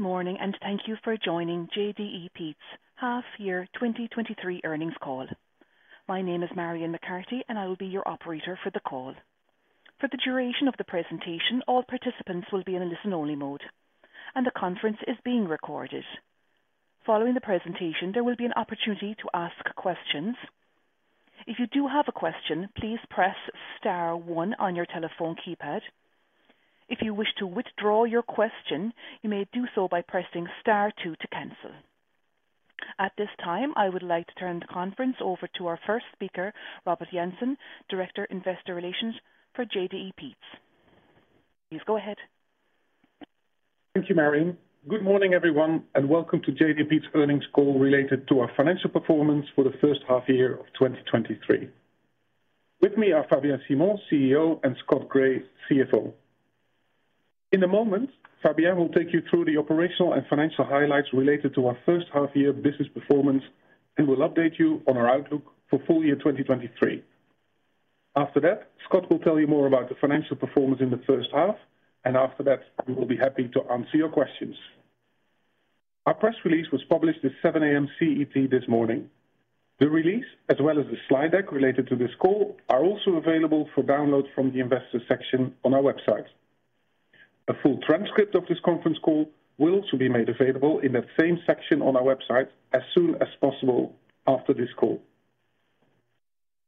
Good morning, thank you for joining JDE Peet's half-year 2023 earnings call. My name is Marion McCarthy, I will be your operator for the call. For the duration of the presentation, all participants will be in a listen-only mode, the conference is being recorded. Following the presentation, there will be an opportunity to ask questions. If you do have a question, please press star one on your telephone keypad. If you wish to withdraw your question, you may do so by pressing star two to cancel. At this time, I would like to turn the conference over to our first speaker, Robin Jansen, Director, Investor Relations for JDE Peet's. Please go ahead. Thank you, Marion. Good morning, everyone, and welcome to JDE Peet's earnings call related to our financial performance for the first half year of 2023. With me are Fabien Simon, CEO, and Scott Gray, CFO. In a moment, Fabien will take you through the operational and financial highlights related to our first half year business performance, and we'll update you on our outlook for full year 2023. After that, Scott will tell you more about the financial performance in the first half, and after that, we will be happy to answer your questions. Our press release was published at 7:00 A.M. CET this morning. The release, as well as the slide deck related to this call, are also available for download from the investors section on our website. A full transcript of this conference call will also be made available in that same section on our website as soon as possible after this call.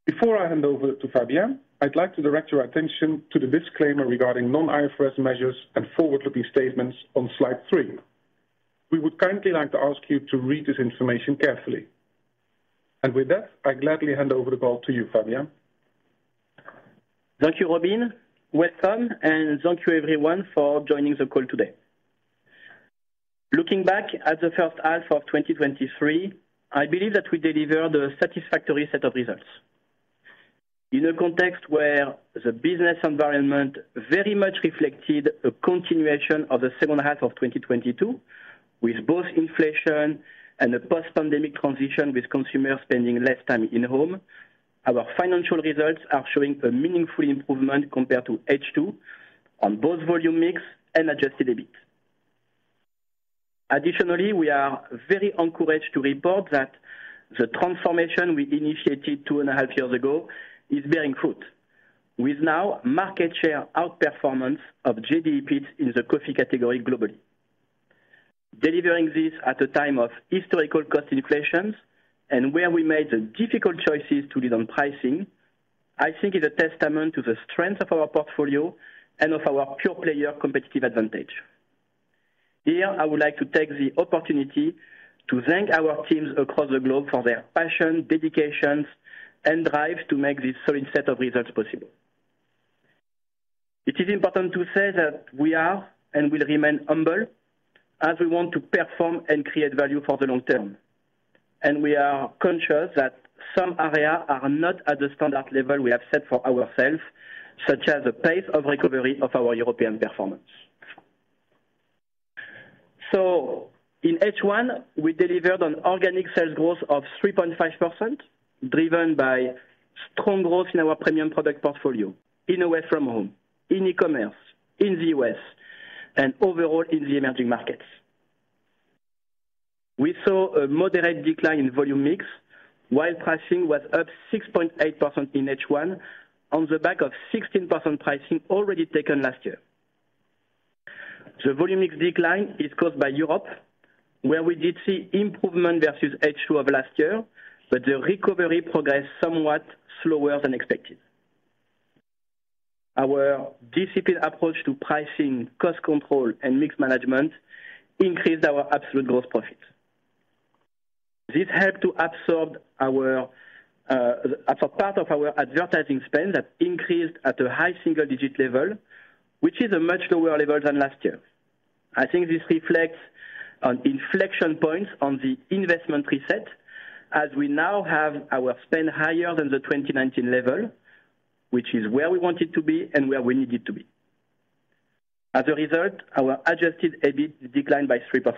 Before I hand over to Fabien, I'd like to direct your attention to the disclaimer regarding non-IFRS measures and forward-looking statements on slide three. We would kindly like to ask you to read this information carefully. With that, I gladly hand over the call to you, Fabien. Thank you, Robin. Welcome, thank you everyone for joining the call today. Looking back at the first half of 2023, I believe that we delivered a satisfactory set of results. In a context where the business environment very much reflected a continuation of the second half of 2022, with both inflation and a post-pandemic transition with consumers spending less time in home, our financial results are showing a meaningful improvement compared to H2 on both volume mix and adjusted EBIT. Additionally, we are very encouraged to report that the transformation we initiated two and a half years ago is bearing fruit, with now market share outperformance of JDE Peet's in the coffee category globally. Delivering this at a time of historical cost inflations and where we made the difficult choices to lead on pricing, I think is a testament to the strength of our portfolio and of our pure player competitive advantage. Here, I would like to take the opportunity to thank our teams across the globe for their passion, dedications, and drive to make this solid set of results possible. It is important to say that we are and will remain humble as we want to perform and create value for the long term, and we are conscious that some areas are not at the standard level we have set for ourselves, such as the pace of recovery of our European performance. In H1, we delivered on organic sales growth of 3.5%, driven by strong growth in our premium product portfolio, in away from home, in e-commerce, in the US, and overall in the emerging markets. We saw a moderate decline in volume mix, while pricing was up 6.8% in H1 on the back of 16% pricing already taken last year. The volume mix decline is caused by Europe, where we did see improvement versus H2 of last year, but the recovery progressed somewhat slower than expected. Our disciplined approach to pricing, cost control, and mix management increased our absolute growth profit. This helped to absorb our, as a part of our advertising spend that increased at a high single digit level, which is a much lower level than last year. I think this reflects on inflection points on the investment preset, as we now have our spend higher than the 2019 level, which is where we want it to be and where we need it to be. As a result, our adjusted EBIT declined by 3%.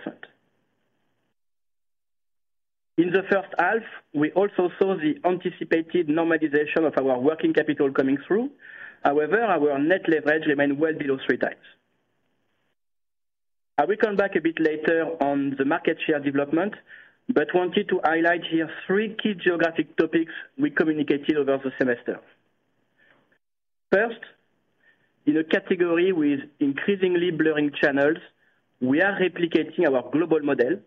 In the first half, we also saw the anticipated normalization of our working capital coming through. However, our net leverage remained well below 3x. I will come back a bit later on the market share development, but wanted to highlight here three key geographic topics we communicated over the semester. First, in a category with increasingly blurring channels, we are replicating our global model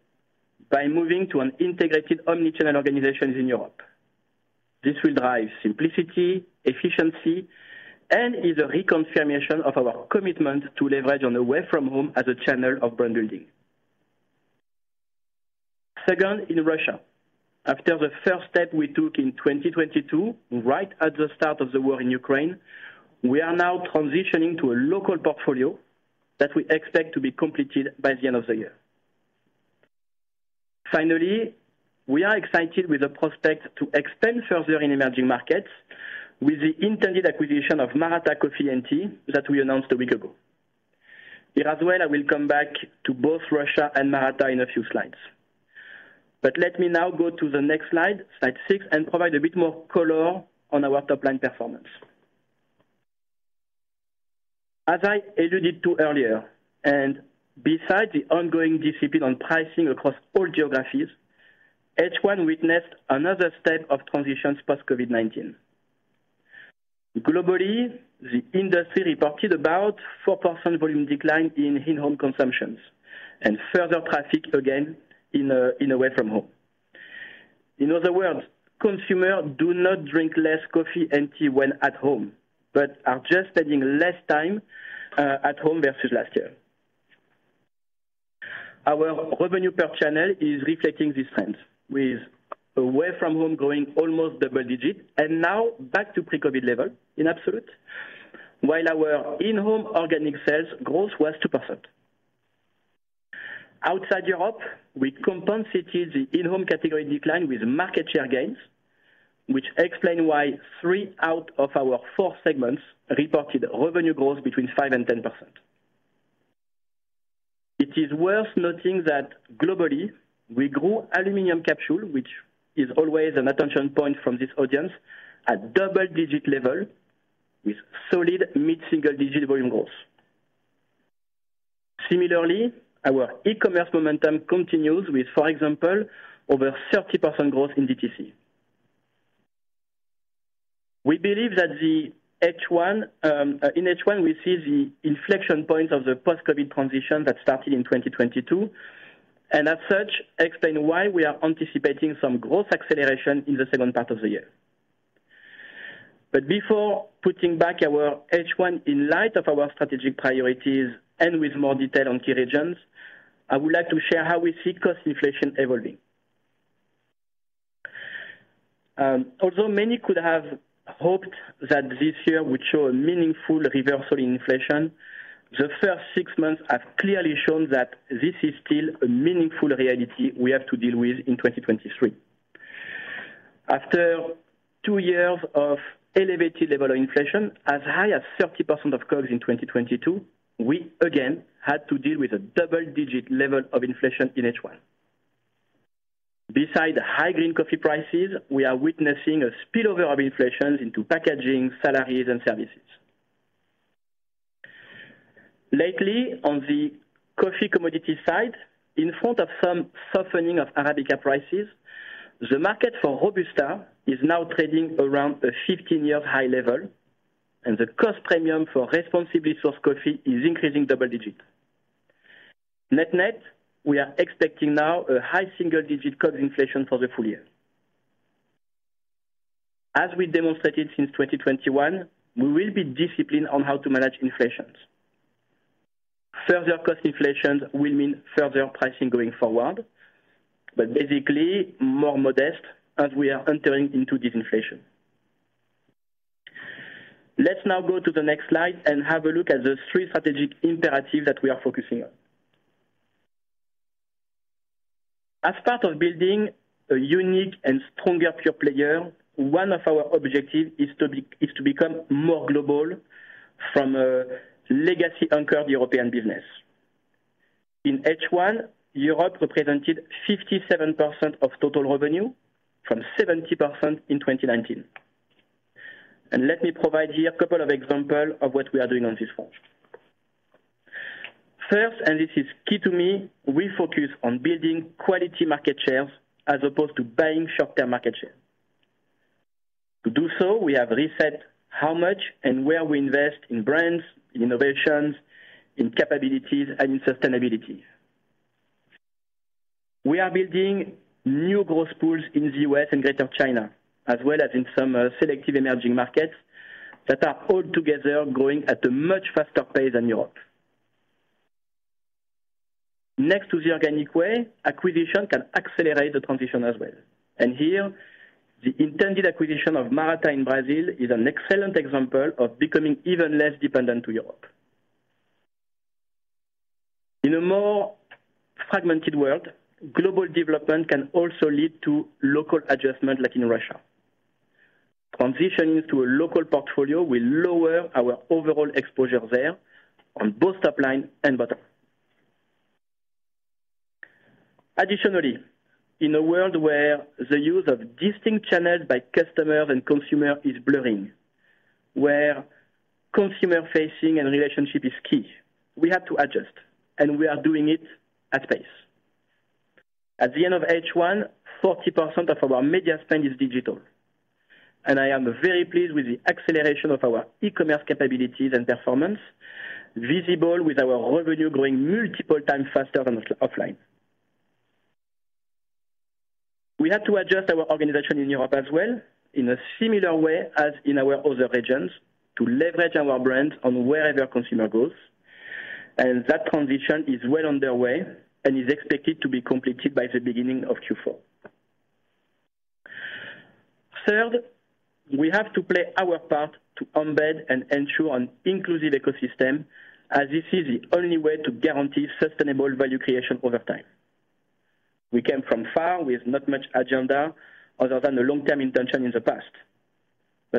by moving to an integrated omni-channel organizations in Europe. This will drive simplicity, efficiency, and is a reconfirmation of our commitment to leverage on away from home as a channel of brand building. Second, in Russia, after the first step we took in 2022, right at the start of the war in Ukraine, we are now transitioning to a local portfolio that we expect to be completed by the end of the year. Finally, we are excited with the prospect to expand further in emerging markets with the intended acquisition of Maratá Coffee and Tea that we announced a week ago. Here as well, I will come back to both Russia and Maratá in a few slides. Let me now go to the next slide, slide six, and provide a bit more color on our top line performance. As I alluded to earlier, and besides the ongoing discipline on pricing across all geographies, H1 witnessed another step of transitions post COVID-19. Globally, the industry reported about 4% volume decline in in-home consumptions and further traffic again, in away from home. In other words, consumers do not drink less coffee and tea when at home, but are just spending less time at home versus last year. Our revenue per channel is reflecting this trend, with away from home growing almost double-digit and now back to pre-COVID level in absolute, while our in-home organic sales growth was 2%. Outside Europe, we compensated the in-home category decline with market share gains, which explain why three out of our four segments reported revenue growth between 5% and 10%. It is worth noting that globally, we grew aluminum capsule, which is always an attention point from this audience, at double-digit level, with solid mid-single-digit volume growth. Similarly, our e-commerce momentum continues with, for example, over 30% growth in DTC. We believe that the H1, in H1, we see the inflection point of the post-COVID transition that started in 2022, and as such, explain why we are anticipating some growth acceleration in the second part of the year. Before putting back our H1 in light of our strategic priorities and with more detail on key regions, I would like to share how we see cost inflation evolving. Although many could have hoped that this year would show a meaningful reversal in inflation, the first six months have clearly shown that this is still a meaningful reality we have to deal with in 2023. After two years of elevated level of inflation, as high as 30% of COGS in 2022, we again had to deal with a double-digit level of inflation in H1. Besides high green coffee prices, we are witnessing a spillover of inflation into packaging, salaries, and services. Lately, on the coffee commodity side, in front of some softening of Arabica prices, the market for Robusta is now trading around a 15-year high level, and the cost premium for responsibly sourced coffee is increasing double digits. Net-net, we are expecting now a high single digit COGS inflation for the full year. As we demonstrated since 2021, we will be disciplined on how to manage inflations. Further cost inflations will mean further pricing going forward, basically more modest as we are entering into this inflation. Let's now go to the next slide and have a look at the three strategic imperatives that we are focusing on. As part of building a unique and stronger pure player, one of our objectives is to become more global from a legacy anchor of the European business. In H1, Europe represented 57% of total revenue, from 70% in 2019. Let me provide here a couple of examples of what we are doing on this front. First, and this is key to me, we focus on building quality market shares as opposed to buying short-term market share. To do so, we have reset how much and where we invest in brands, in innovations, in capabilities, and in sustainability. We are building new growth pools in the U.S. and Greater China, as well as in some selective emerging markets that are all together growing at a much faster pace than Europe. Next, to the organic way, acquisition can accelerate the transition as well. Here, the intended acquisition of Maratá in Brazil is an excellent example of becoming even less dependent to Europe. In a more fragmented world, global development can also lead to local adjustment, like in Russia. Transitioning to a local portfolio will lower our overall exposure there on both top line and bottom. Additionally, in a world where the use of distinct channels by customers and consumer is blurring, where consumer facing and relationship is key, we have to adjust, and we are doing it at pace. At the end of H1, 40% of our media spend is digital, and I am very pleased with the acceleration of our e-commerce capabilities and performance, visible with our revenue growing multiple times faster than offline. We had to adjust our organization in Europe as well, in a similar way as in our other regions, to leverage our brands on wherever consumer goes, and that transition is well on their way and is expected to be completed by the beginning of Q4. Third, we have to play our part to embed and ensure an inclusive ecosystem, as this is the only way to guarantee sustainable value creation over time. We came from far, with not much agenda other than a long-term intention in the past.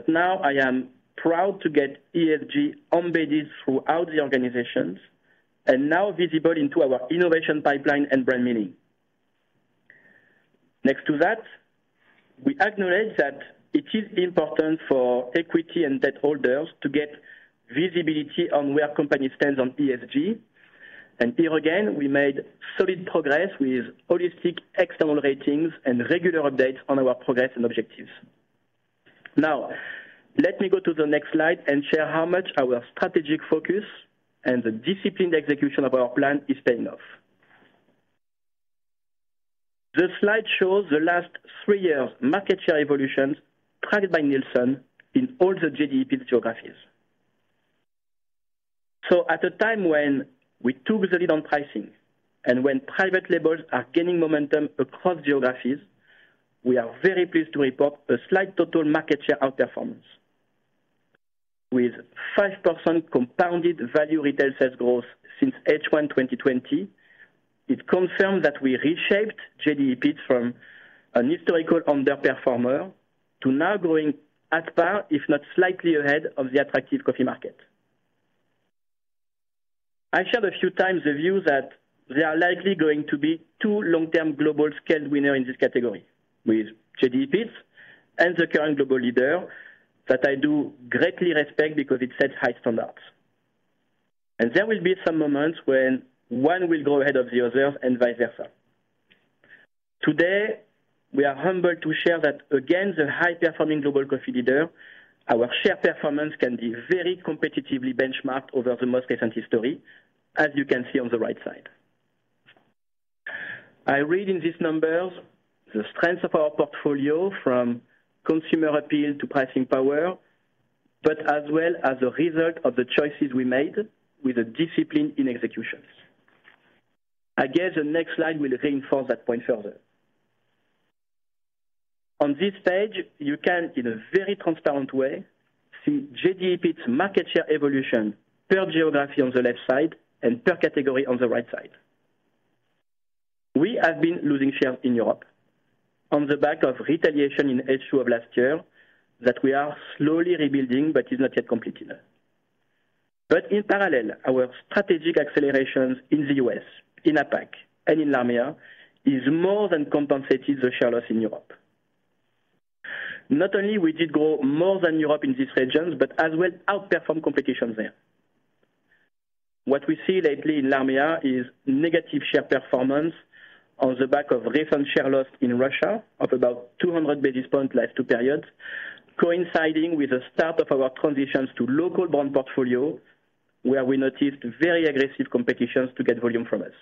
Now I am proud to get ESG embedded throughout the organizations and now visible into our innovation pipeline and brand meaning. Next to that, we acknowledge that it is important for equity and debt holders to get visibility on where company stands on ESG. Here again, we made solid progress with holistic external ratings and regular updates on our progress and objectives. Let me go to the next slide and share how much our strategic focus and the disciplined execution of our plan is paying off. The slide shows the last three years' market share evolutions tracked by Nielsen in all the JDE Peet's geographies. At a time when we took the lead on pricing and when private labels are gaining momentum across geographies, we are very pleased to report a slight total market share outperformance. With 5% compounded value retail sales growth since H1 2020, it confirms that we reshaped JDE Peet's from an historical underperformer to now growing as par, if not slightly ahead, of the attractive coffee market. I shared a few times the view that there are likely going to be two long-term global scale winner in this category, with JDE Peet's and the current global leader, that I do greatly respect because it sets high standards. There will be some moments when one will go ahead of the other and vice versa. Today, we are humbled to share that against the high-performing global coffee leader, our share performance can be very competitively benchmarked over the most recent history, as you can see on the right side. I read in these numbers the strength of our portfolio from consumer appeal to pricing power, but as well as a result of the choices we made with a discipline in executions. I guess the next slide will reinforce that point further. On this page, you can, in a very transparent way, see JDE Peet's market share evolution per geography on the left side and per category on the right side. We have been losing shares in Europe on the back of retaliation in H2 of last year, that we are slowly rebuilding, but is not yet complete enough. In parallel, our strategic accelerations in the U.S., in APAC, and in LATAM, is more than compensated the share loss in Europe. Not only we did grow more than Europe in these regions, but as well outperformed competition there. What we see lately in LATAM is negative share performance on the back of recent share loss in Russia of about 200 basis points last two periods, coinciding with the start of our transitions to local brand portfolio, where we noticed very aggressive competitions to get volume from us.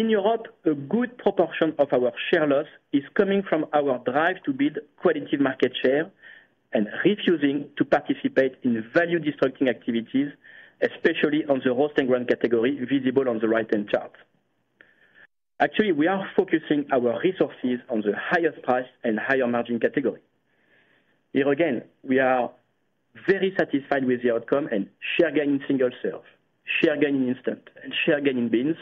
In Europe, a good proportion of our share loss is coming from our drive to build qualitative market share and refusing to participate in value-destructing activities, especially on the roasted ground category, visible on the right-hand chart. Actually, we are focusing our resources on the highest price and higher margin category. Here again, we are very satisfied with the outcome and share gain in single serve, share gain in instant, and share gain in beans,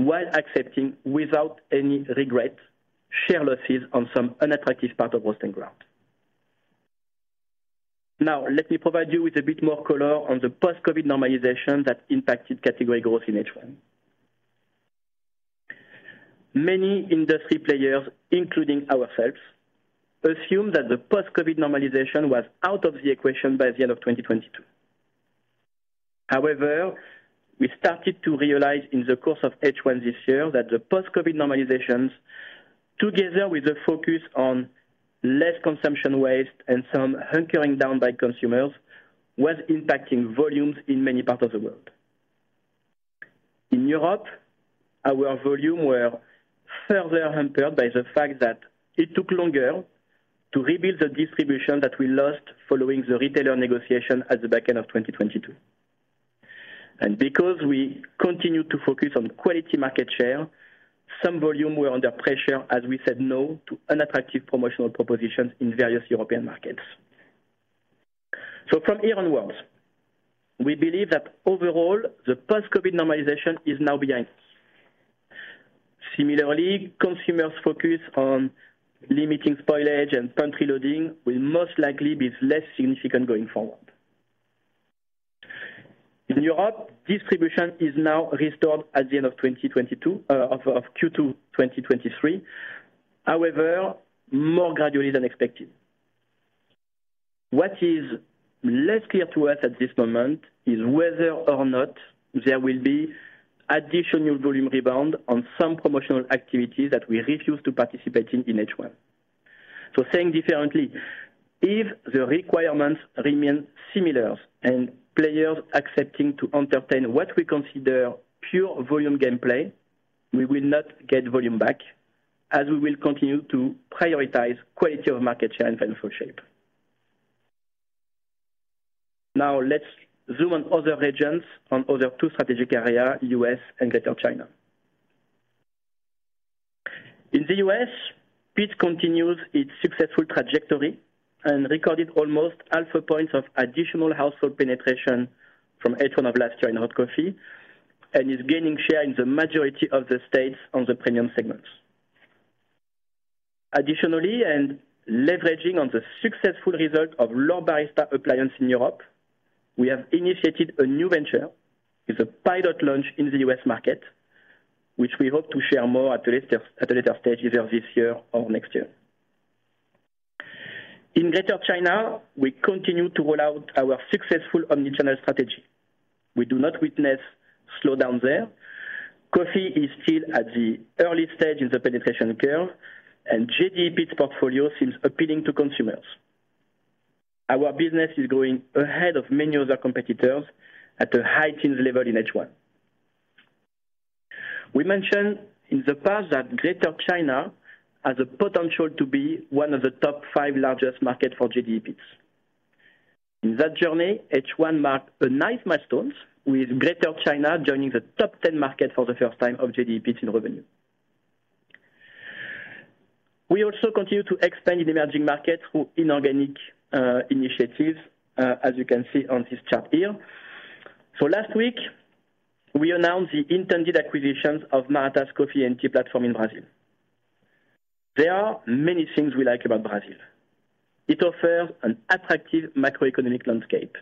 while accepting, without any regret, share losses on some unattractive part of roasted ground. Now, let me provide you with a bit more color on the post-COVID normalization that impacted category growth in H1. Many industry players, including ourselves, assumed that the post-COVID normalization was out of the equation by the end of 2022. However, we started to realize in the course of H1 this year, that the post-COVID normalizations, together with the focus on less consumption waste and some hunkering down by consumers, was impacting volumes in many parts of the world. In Europe, our volume were further hampered by the fact that it took longer to rebuild the distribution that we lost following the retailer negotiation at the back end of 2022. Because we continued to focus on quality market share, some volume were under pressure as we said no to unattractive promotional propositions in various European markets. From here onwards, we believe that overall, the post-COVID normalization is now behind us. Similarly, consumers' focus on limiting spoilage and pantry loading will most likely be less significant going forward. In Europe, distribution is now restored at the end of 2022, of Q2 2023, however, more gradually than expected. What is less clear to us at this moment is whether or not there will be additional volume rebound on some promotional activities that we refuse to participate in, in H1. Saying differently, if the requirements remain similar and players accepting to entertain what we consider pure volume gameplay, we will not get volume back, as we will continue to prioritize quality of market share and financial shape. Let's zoom on other regions, on other two strategic area, U.S. and Greater China. In the U.S., Peet's continues its successful trajectory and recorded almost half a point of additional household penetration from H1 of last year in hot coffee, and is gaining share in the majority of the states on the premium segments. Additionally, and leveraging on the successful result of L'OR Barista appliance in Europe, we have initiated a new venture with a pilot launch in the U.S. market, which we hope to share more at a later stage, either this year or next year. In Greater China, we continue to roll out our successful omnichannel strategy. We do not witness slowdown there. Coffee is still at the early stage in the penetration curve, and JDE Peet's portfolio seems appealing to consumers. Our business is growing ahead of many other competitors at a high teens level in H1. We mentioned in the past that Greater China has a potential to be one of the top five largest market for JDE Peet's. In that journey, H1 marked a nice milestone, with Greater China joining the top 10 market for the first time of JDE Peet's in revenue. We also continue to expand in emerging markets through inorganic initiatives, as you can see on this chart here. Last week, we announced the intended acquisitions of Maratá's coffee and tea platform in Brazil. There are many things we like about Brazil. It offers an attractive macroeconomic landscape.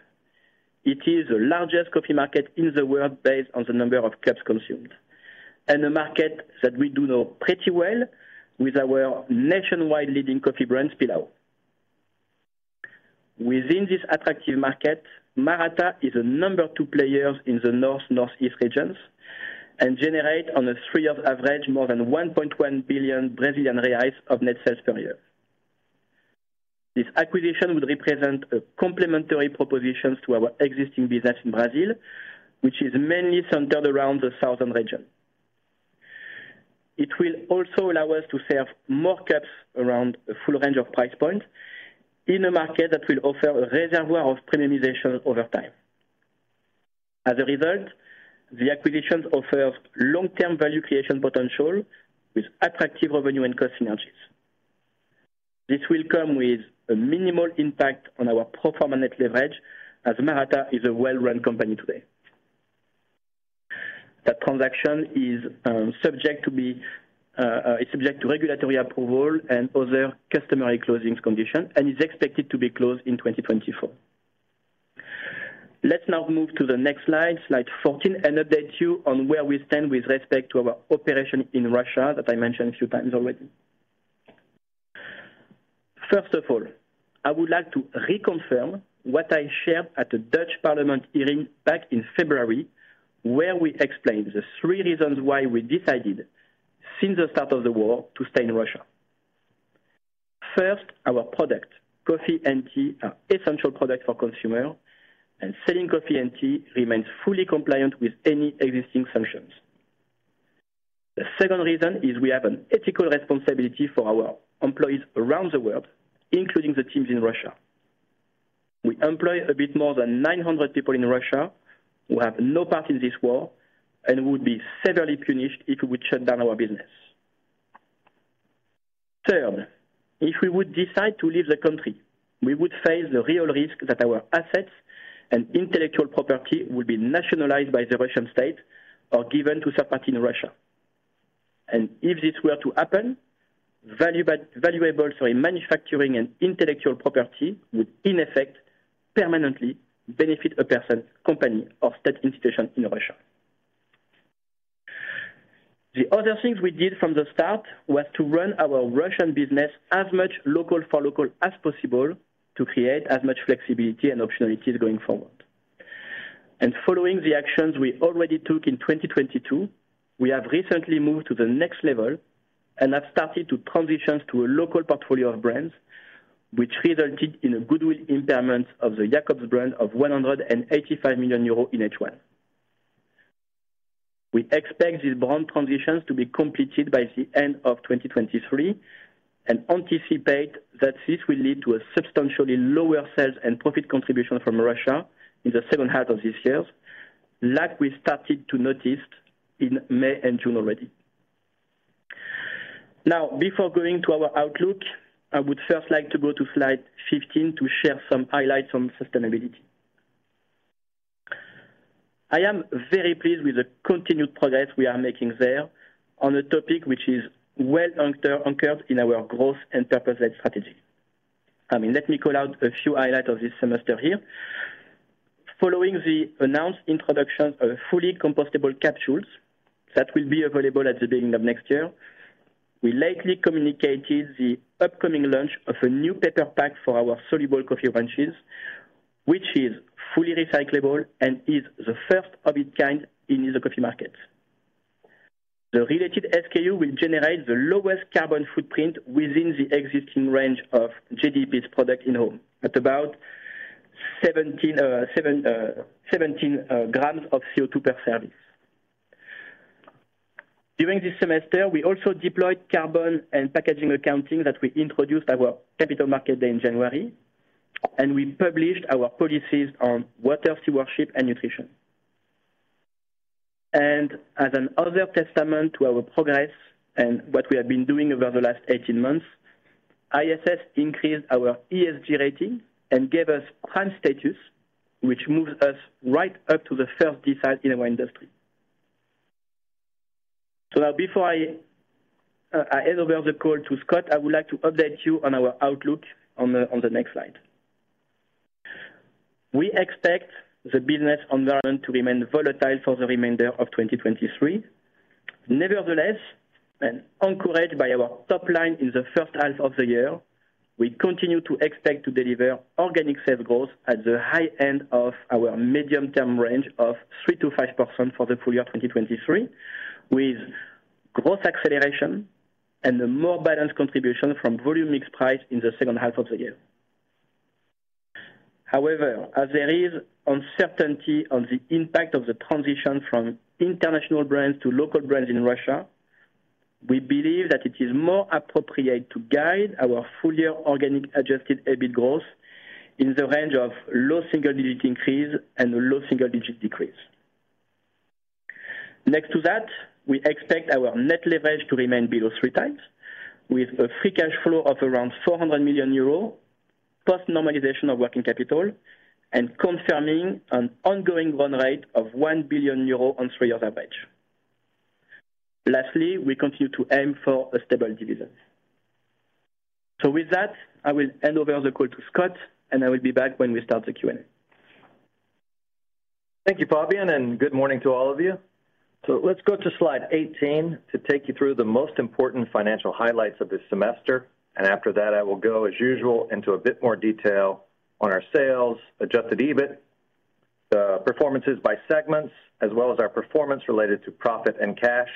It is the largest coffee market in the world, based on the number of cups consumed, and a market that we do know pretty well with our nationwide leading coffee brand, Pilão. Within this attractive market, Maratá is a number two player in the North, Northeast regions, and generate on a three-year average, more than 1.1 billion Brazilian reais of net sales per year. This acquisition would represent a complementary propositions to our existing business in Brazil, which is mainly centered around the southern region. It will also allow us to serve more cups around a full range of price points in a market that will offer a reservoir of premiumization over time. As a result, the acquisitions offer long-term value creation potential with attractive revenue and cost synergies. This will come with a minimal impact on our pro forma net leverage, as Maratá is a well-run company today. That transaction is subject to be subject to regulatory approval and other customary closings conditions, and is expected to be closed in 2024. Let's now move to the next slide, slide 14, and update you on where we stand with respect to our operation in Russia, that I mentioned a few times already. First of all, I would like to reconfirm what I shared at the Dutch Parliament hearing back in February, where we explained the three reasons why we decided, since the start of the war, to stay in Russia. First, our product, coffee and tea, are essential products for consumer, and selling coffee and tea remains fully compliant with any existing sanctions. The second reason is we have an ethical responsibility for our employees around the world, including the teams in Russia. We employ a bit more than 900 people in Russia, who have no part in this war and would be severely punished if we would shut down our business. If we would decide to leave the country, we would face the real risk that our assets and intellectual property would be nationalized by the Russian state or given to third party in Russia. If this were to happen, valuables, manufacturing and intellectual property would, in effect, permanently benefit a person, company, or state institution in Russia. The other things we did from the start was to run our Russian business as much local for local as possible, to create as much flexibility and optionalities going forward. Following the actions we already took in 2022, we have recently moved to the next level and have started to transition to a local portfolio of brands, which resulted in a goodwill impairment of the Jacobs brand of 185 million euros in H1. We expect these brand transitions to be completed by the end of 2023, and anticipate that this will lead to a substantially lower sales and profit contribution from Russia in the second half of this year, like we started to noticed in May and June already. Now, before going to our outlook, I would first like to go to slide 15, to share some highlights on sustainability. I am very pleased with the continued progress we are making there on a topic which is well anchored in our growth and purpose-led strategy. I mean, let me call out a few highlights of this semester here. Following the announced introduction of fully compostable capsules, that will be available at the beginning of next year, we lately communicated the upcoming launch of a new paper pack for our soluble coffee ranges, which is fully recyclable and is the first of its kind in the coffee market. The related SKU will generate the lowest carbon footprint within the existing range of JDE Peet's product in home, at about 17, 7, 17 grams of CO2 per service. During this semester, we also deployed carbon and packaging accounting that we introduced our Capital Markets Day in January. We published our policies on water, stewardship, and nutrition. As another testament to our progress and what we have been doing over the last 18 months, ISS increased our ESG rating and gave us Prime status, which moves us right up to the third decile in our industry. Now before I hand over the call to Scott, I would like to update you on our outlook on the next slide. We expect the business environment to remain volatile for the remainder of 2023. Nevertheless, encouraged by our top line in the first half of the year, we continue to expect to deliver organic sales growth at the high end of our medium-term range of 3%-5% for the full year 2023, with growth acceleration and a more balanced contribution from volume mix price in the second half of the year. However, as there is uncertainty on the impact of the transition from international brands to local brands in Russia, we believe that it is more appropriate to guide our full-year organic adjusted EBIT growth in the range of low single-digit increase and low single-digit decrease. Next to that, we expect our net leverage to remain below 3x, with a free cash flow of around 400 million euros, post-normalization of working capital, and confirming an ongoing run rate of 1 billion euros on 3-year average. Lastly, we continue to aim for a stable dividend. With that, I will hand over the call to Scott, and I will be back when we start the Q&A. Thank you, Fabien. Good morning to all of you. Let's go to slide 18 to take you through the most important financial highlights of this semester. After that, I will go, as usual, into a bit more detail on our sales, Adjusted EBIT, the performances by segments, as well as our performance related to profit and cash.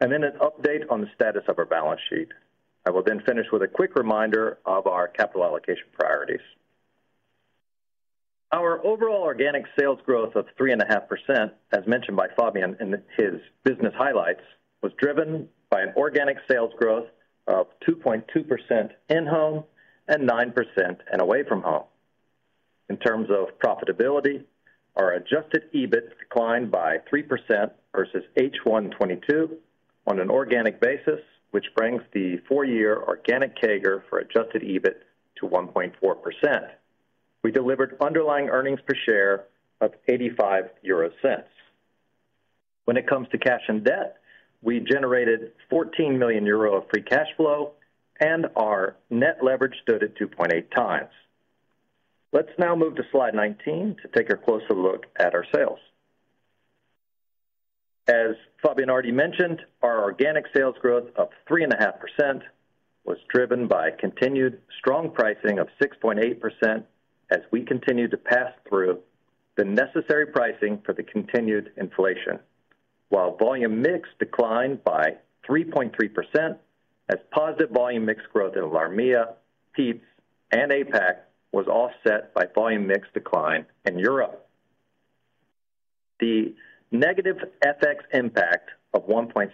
Then an update on the status of our balance sheet. I will finish with a quick reminder of our capital allocation priorities. Our overall organic sales growth of 3.5%, as mentioned by Fabien in his business highlights, was driven by an organic sales growth of 2.2% in home and 9% away from home. In terms of profitability, our adjusted EBIT declined by 3% versus H1 2022 on an organic basis, which brings the four-year organic CAGR for adjusted EBIT to 1.4%. We delivered underlying earnings per share of 0.85. When it comes to cash and debt, we generated 14 million euro of free cash flow, and our net leverage stood at 2.8x. Let's now move to slide 19 to take a closer look at our sales. As Fabien already mentioned, our organic sales growth of 3.5% was driven by continued strong pricing of 6.8% as we continue to pass through the necessary pricing for the continued inflation, while volume mix declined by 3.3% as positive volume mix growth in LAMEA, Peet's, and APAC was offset by volume mix decline in Europe. The negative FX impact of 1.6%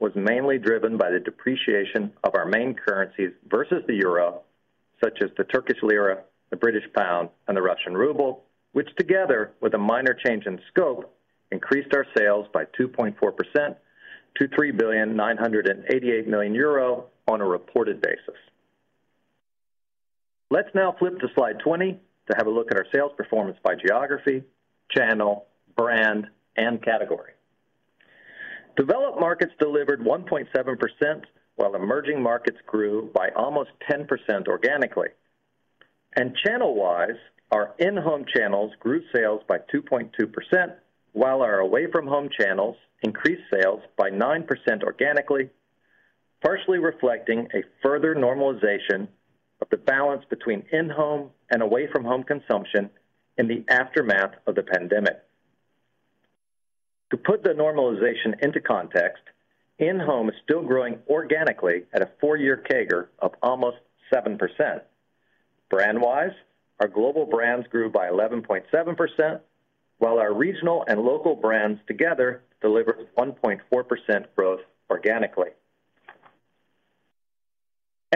was mainly driven by the depreciation of our main currencies versus the euro, such as the Turkish lira, the British pound, and the Russian ruble, which together with a minor change in scope, increased our sales by 2.4% to 3,988,000,000 euro on a reported basis. Let's now flip to slide 20 to have a look at our sales performance by geography, channel, brand, and category. Developed markets delivered 1.7%, while emerging markets grew by almost 10% organically. Channel-wise, our in-home channels grew sales by 2.2%, while our away-from-home channels increased sales by 9% organically, partially reflecting a further normalization of the balance between in-home and away-from-home consumption in the aftermath of the pandemic. To put the normalization into context, in-home is still growing organically at a four-year CAGR of almost 7%. Brand-wise, our global brands grew by 11.7%, while our regional and local brands together delivered 1.4% growth organically.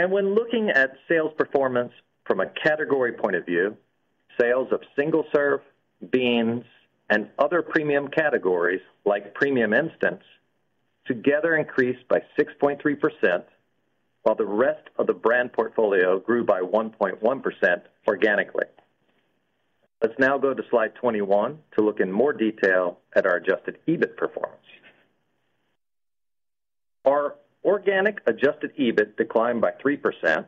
When looking at sales performance from a category point of view, sales of single-serve, beans, and other premium categories, like premium instant, together increased by 6.3%, while the rest of the brand portfolio grew by 1.1% organically. Let's now go to slide 21 to look in more detail at our adjusted EBIT performance. Our organic adjusted EBIT declined by 3%.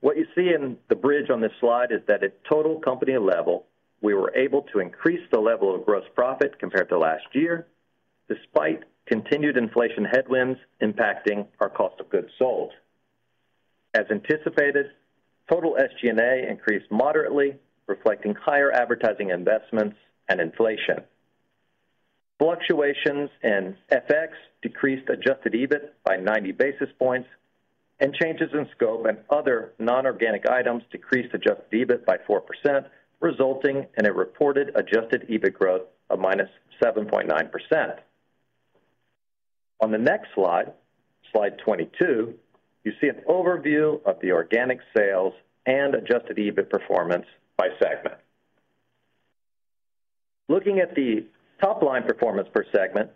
What you see in the bridge on this slide is that at total company level, we were able to increase the level of gross profit compared to last year, despite continued inflation headwinds impacting our cost of goods sold. As anticipated, total SG&A increased moderately, reflecting higher advertising investments and inflation. Fluctuations in FX decreased adjusted EBIT by 90 basis points. Changes in scope and other non-organic items decreased adjusted EBIT by 4%, resulting in a reported adjusted EBIT growth of -7.9%. On the next slide, slide 22, you see an overview of the organic sales and adjusted EBIT performance by segment. Looking at the top-line performance per segment,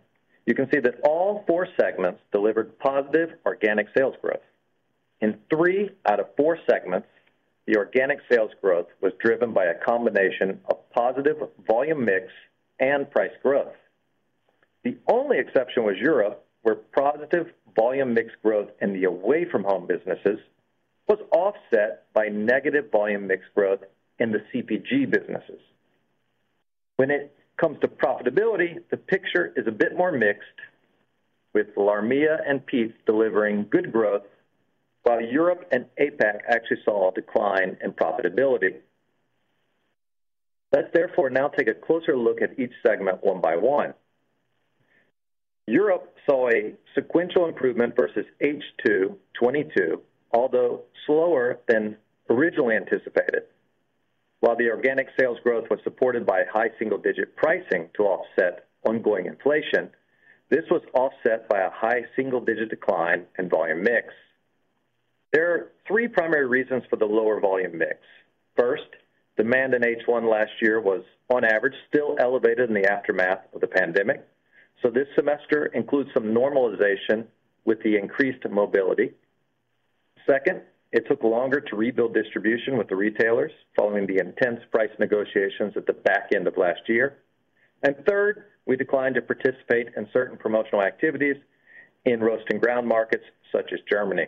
you can see that all four segments delivered positive organic sales growth. In three out of four segments, the organic sales growth was driven by a combination of positive volume mix and price growth. The only exception was Europe, where positive volume mix growth in the away-from-home businesses was offset by negative volume mix growth in the CPG businesses. When it comes to profitability, the picture is a bit more mixed, with LAMEA and Peet's delivering good growth, while Europe and APAC actually saw a decline in profitability. Let's therefore now take a closer look at each segment one by one. Europe saw a sequential improvement versus H2 2022, although slower than originally anticipated. While the organic sales growth was supported by high single-digit pricing to offset ongoing inflation, this was offset by a high single-digit decline in volume mix. There are three primary reasons for the lower volume mix. First, demand in H1 last year was, on average, still elevated in the aftermath of the pandemic. This semester includes some normalization with the increased mobility. Second, it took longer to rebuild distribution with the retailers following the intense price negotiations at the back end of last year. Third, we declined to participate in certain promotional activities in roast and ground markets, such as Germany.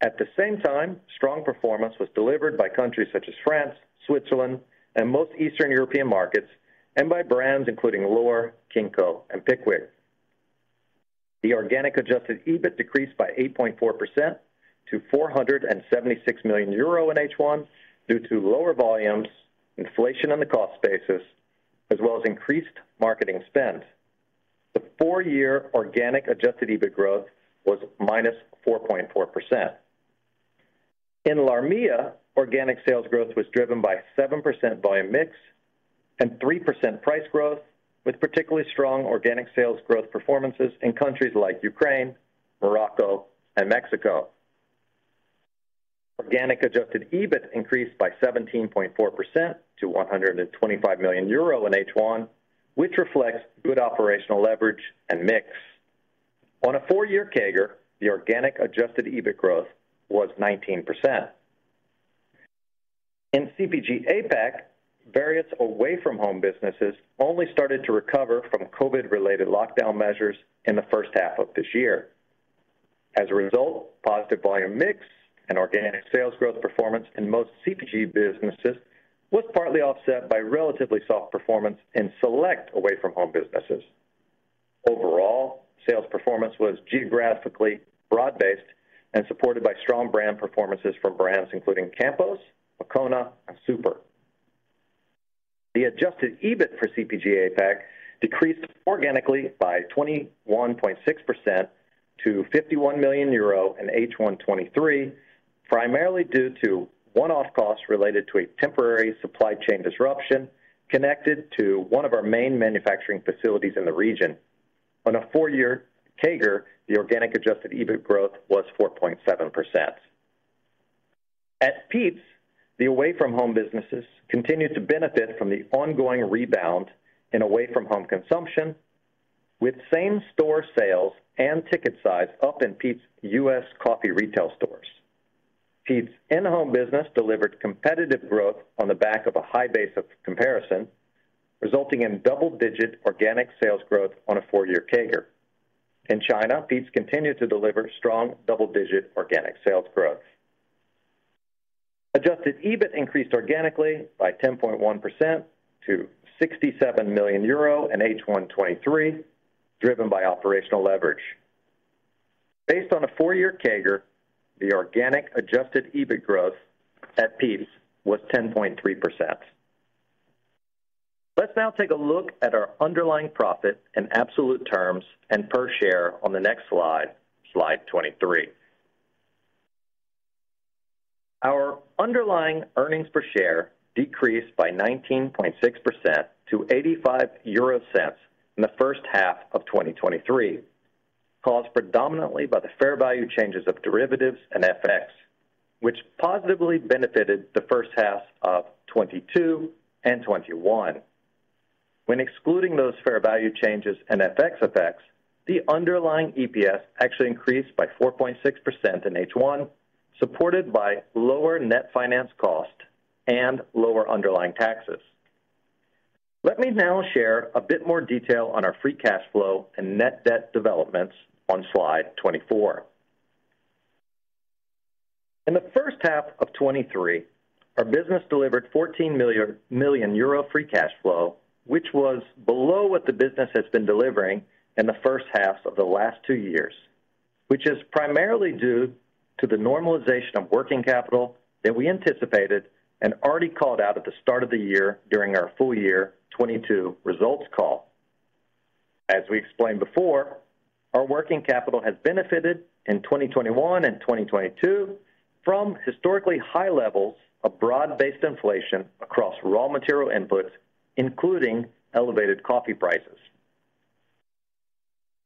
At the same time, strong performance was delivered by countries such as France, Switzerland, and most Eastern European markets, and by brands including L'OR, Kenco, and Pickwick. The organic adjusted EBIT decreased by 8.4% to 476 million euro in H1 due to lower volumes, inflation on the cost basis, as well as increased marketing spend. The four-year organic adjusted EBIT growth was -4.4%. In LAMEA, organic sales growth was driven by 7% volume mix and 3% price growth, with particularly strong organic sales growth performances in countries like Ukraine, Morocco, and Mexico. Organic adjusted EBIT increased by 17.4% to 125 million euro in H1, which reflects good operational leverage and mix. On a four-year CAGR, the organic adjusted EBIT growth was 19%. In CPG APAC, various away-from-home businesses only started to recover from COVID-related lockdown measures in H1 of this year. As a result, positive volume mix and organic sales growth performance in most CPG businesses was partly offset by relatively soft performance in select away-from-home businesses. Overall, sales performance was geographically broad-based and supported by strong brand performances from brands including Campos, Moccona, and Super. The adjusted EBIT for CPG APAC decreased organically by 21.6% to EUR 51 million in H1 2023, primarily due to one-off costs related to a temporary supply chain disruption connected to one of our main manufacturing facilities in the region. On a four-year CAGR, the organic adjusted EBIT growth was 4.7%. At Peet's, the away-from-home businesses continued to benefit from the ongoing rebound in away-from-home consumption, with same-store sales and ticket size up in Peet's Coffee retail stores. Peet's in-home business delivered competitive growth on the back of a high base of comparison, resulting in double-digit organic sales growth on a four-year CAGR. In China, Peet's continued to deliver strong double-digit organic sales growth. adjusted EBIT increased organically by 10.1% to 67 million euro in H1 2023, driven by operational leverage. Based on a four-year CAGR, the organic adjusted EBIT growth at Peet's was 10.3%. Let's now take a look at our underlying profit in absolute terms and per share on the next slide, slide 23. Our underlying earnings per share decreased by 19.6% to 0.85 in the first half of 2023, caused predominantly by the fair value changes of derivatives and FX, which positively benefited the first half of 2022 and 2021. When excluding those fair value changes and FX effects, the underlying EPS actually increased by 4.6% in H1, supported by lower net finance cost and lower underlying taxes. Let me now share a bit more detail on our free cash flow and net debt developments on slide 24. In the first half of 2023, our business delivered 14 million euro free cash flow, which was below what the business has been delivering in the first half of the last two years, which is primarily due to the normalization of working capital that we anticipated and already called out at the start of the year during our full year 2022 results call. As we explained before, our working capital has benefited in 2021 and 2022 from historically high levels of broad-based inflation across raw material inputs, including elevated coffee prices.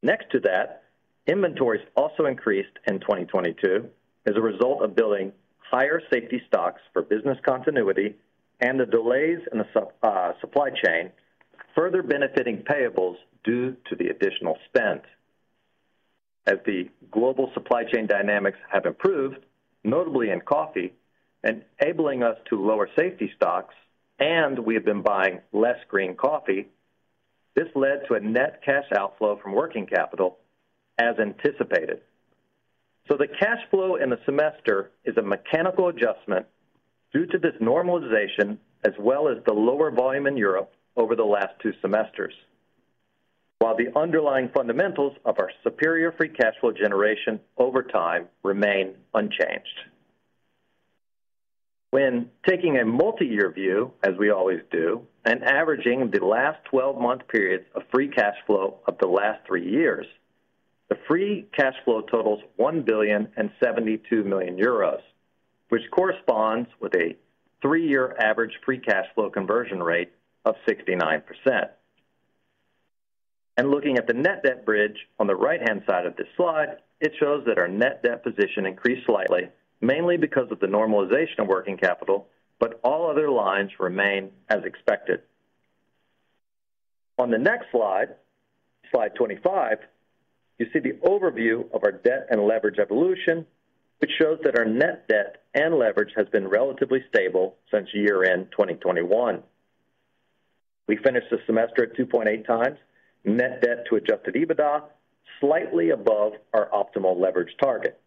Next to that, inventories also increased in 2022 as a result of building higher safety stocks for business continuity and the delays in the supply chain, further benefiting payables due to the additional spend. As the global supply chain dynamics have improved, notably in coffee, enabling us to lower safety stocks, and we have been buying less green coffee, this led to a net cash outflow from working capital as anticipated. The cash flow in the semester is a mechanical adjustment due to this normalization, as well as the lower volume in Europe over the last two semesters, while the underlying fundamentals of our superior free cash flow generation over time remain unchanged. When taking a multi-year view, as we always do, and averaging the last 12-month periods of free cash flow of the last three years, the free cash flow totals 1,072,000,000 euros, which corresponds with a three-year average free cash flow conversion rate of 69%. Looking at the net debt bridge on the right-hand side of this slide, it shows that our net debt position increased slightly, mainly because of the normalization of working capital, but all other lines remain as expected. On the next slide, slide 25, you see the overview of our debt and leverage evolution, which shows that our net debt and leverage has been relatively stable since year-end 2021. We finished the semester at 2.8x net debt to Adjusted EBITDA, slightly above our optimal leverage target.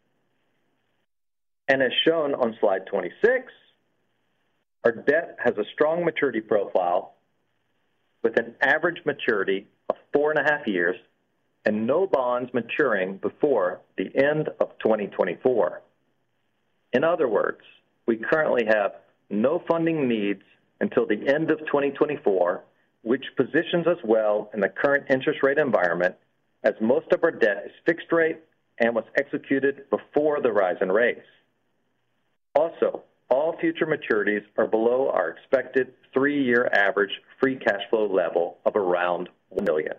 As shown on slide 26, our debt has a strong maturity profile with an average maturity of four and a half years and no bonds maturing before the end of 2024. In other words, we currently have no funding needs until the end of 2024, which positions us well in the current interest rate environment, as most of our debt is fixed rate and was executed before the rise in rates. All future maturities are below our expected three-year average free cash flow level of around 1 million.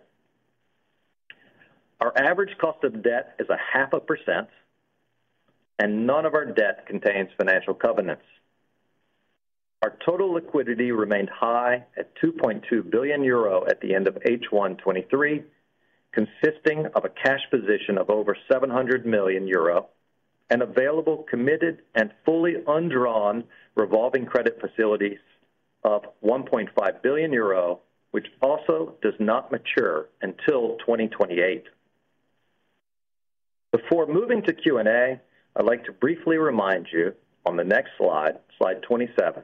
Our average cost of debt is 0.5%, and none of our debt contains financial covenants. Our total liquidity remained high at 2.2 billion euro at the end of H1 2023, consisting of a cash position of over 700 million euro and available, committed, and fully undrawn revolving credit facilities of 1.5 billion euro, which also does not mature until 2028. Before moving to Q&A, I'd like to briefly remind you on the next slide, slide 27,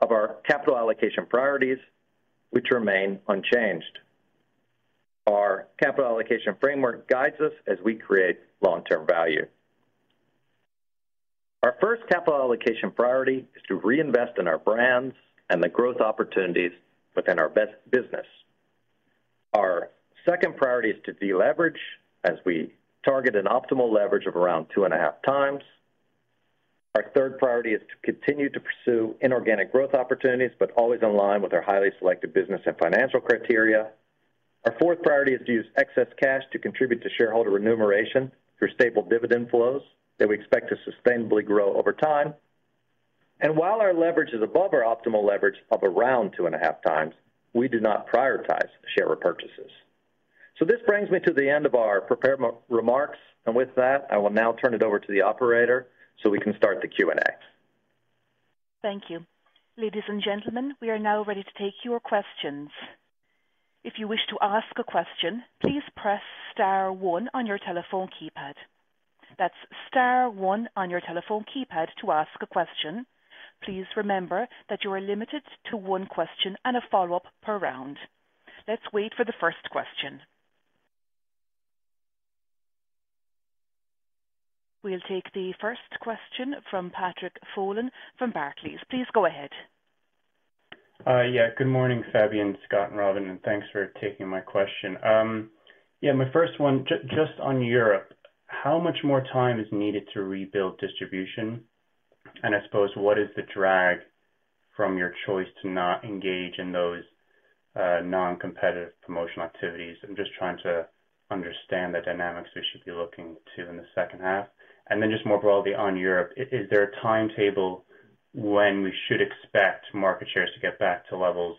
of our capital allocation priorities, which remain unchanged. Our capital allocation framework guides us as we create long-term value. Our first capital allocation priority is to reinvest in our brands and the growth opportunities within our best business. Our second priority is to deleverage as we target an optimal leverage of around 2.5x. Our third priority is to continue to pursue inorganic growth opportunities, but always in line with our highly selective business and financial criteria. Our fourth priority is to use excess cash to contribute to shareholder remuneration through stable dividend flows that we expect to sustainably grow over time. While our leverage is above our optimal leverage of around 2.5x, we do not prioritize share repurchases. This brings me to the end of our prepared remarks, and with that, I will now turn it over to the operator so we can start the Q&A. Thank you. Ladies and gentlemen, we are now ready to take your questions. If you wish to ask a question, please press star one on your telephone keypad. That's star one on your telephone keypad to ask a question. Please remember that you are limited to one question and a follow-up per round. Let's wait for the first question. We'll take the first question from Patrick Folan from Barclays. Please go ahead. Good morning, Fabien, Scott and Robin, thanks for taking my question. My first one, just on Europe, how much more time is needed to rebuild distribution? I suppose, what is the drag from your choice to not engage in those non-competitive promotional activities? I'm just trying to understand the dynamics we should be looking to in the second half. Just more broadly on Europe, is there a timetable when we should expect market shares to get back to levels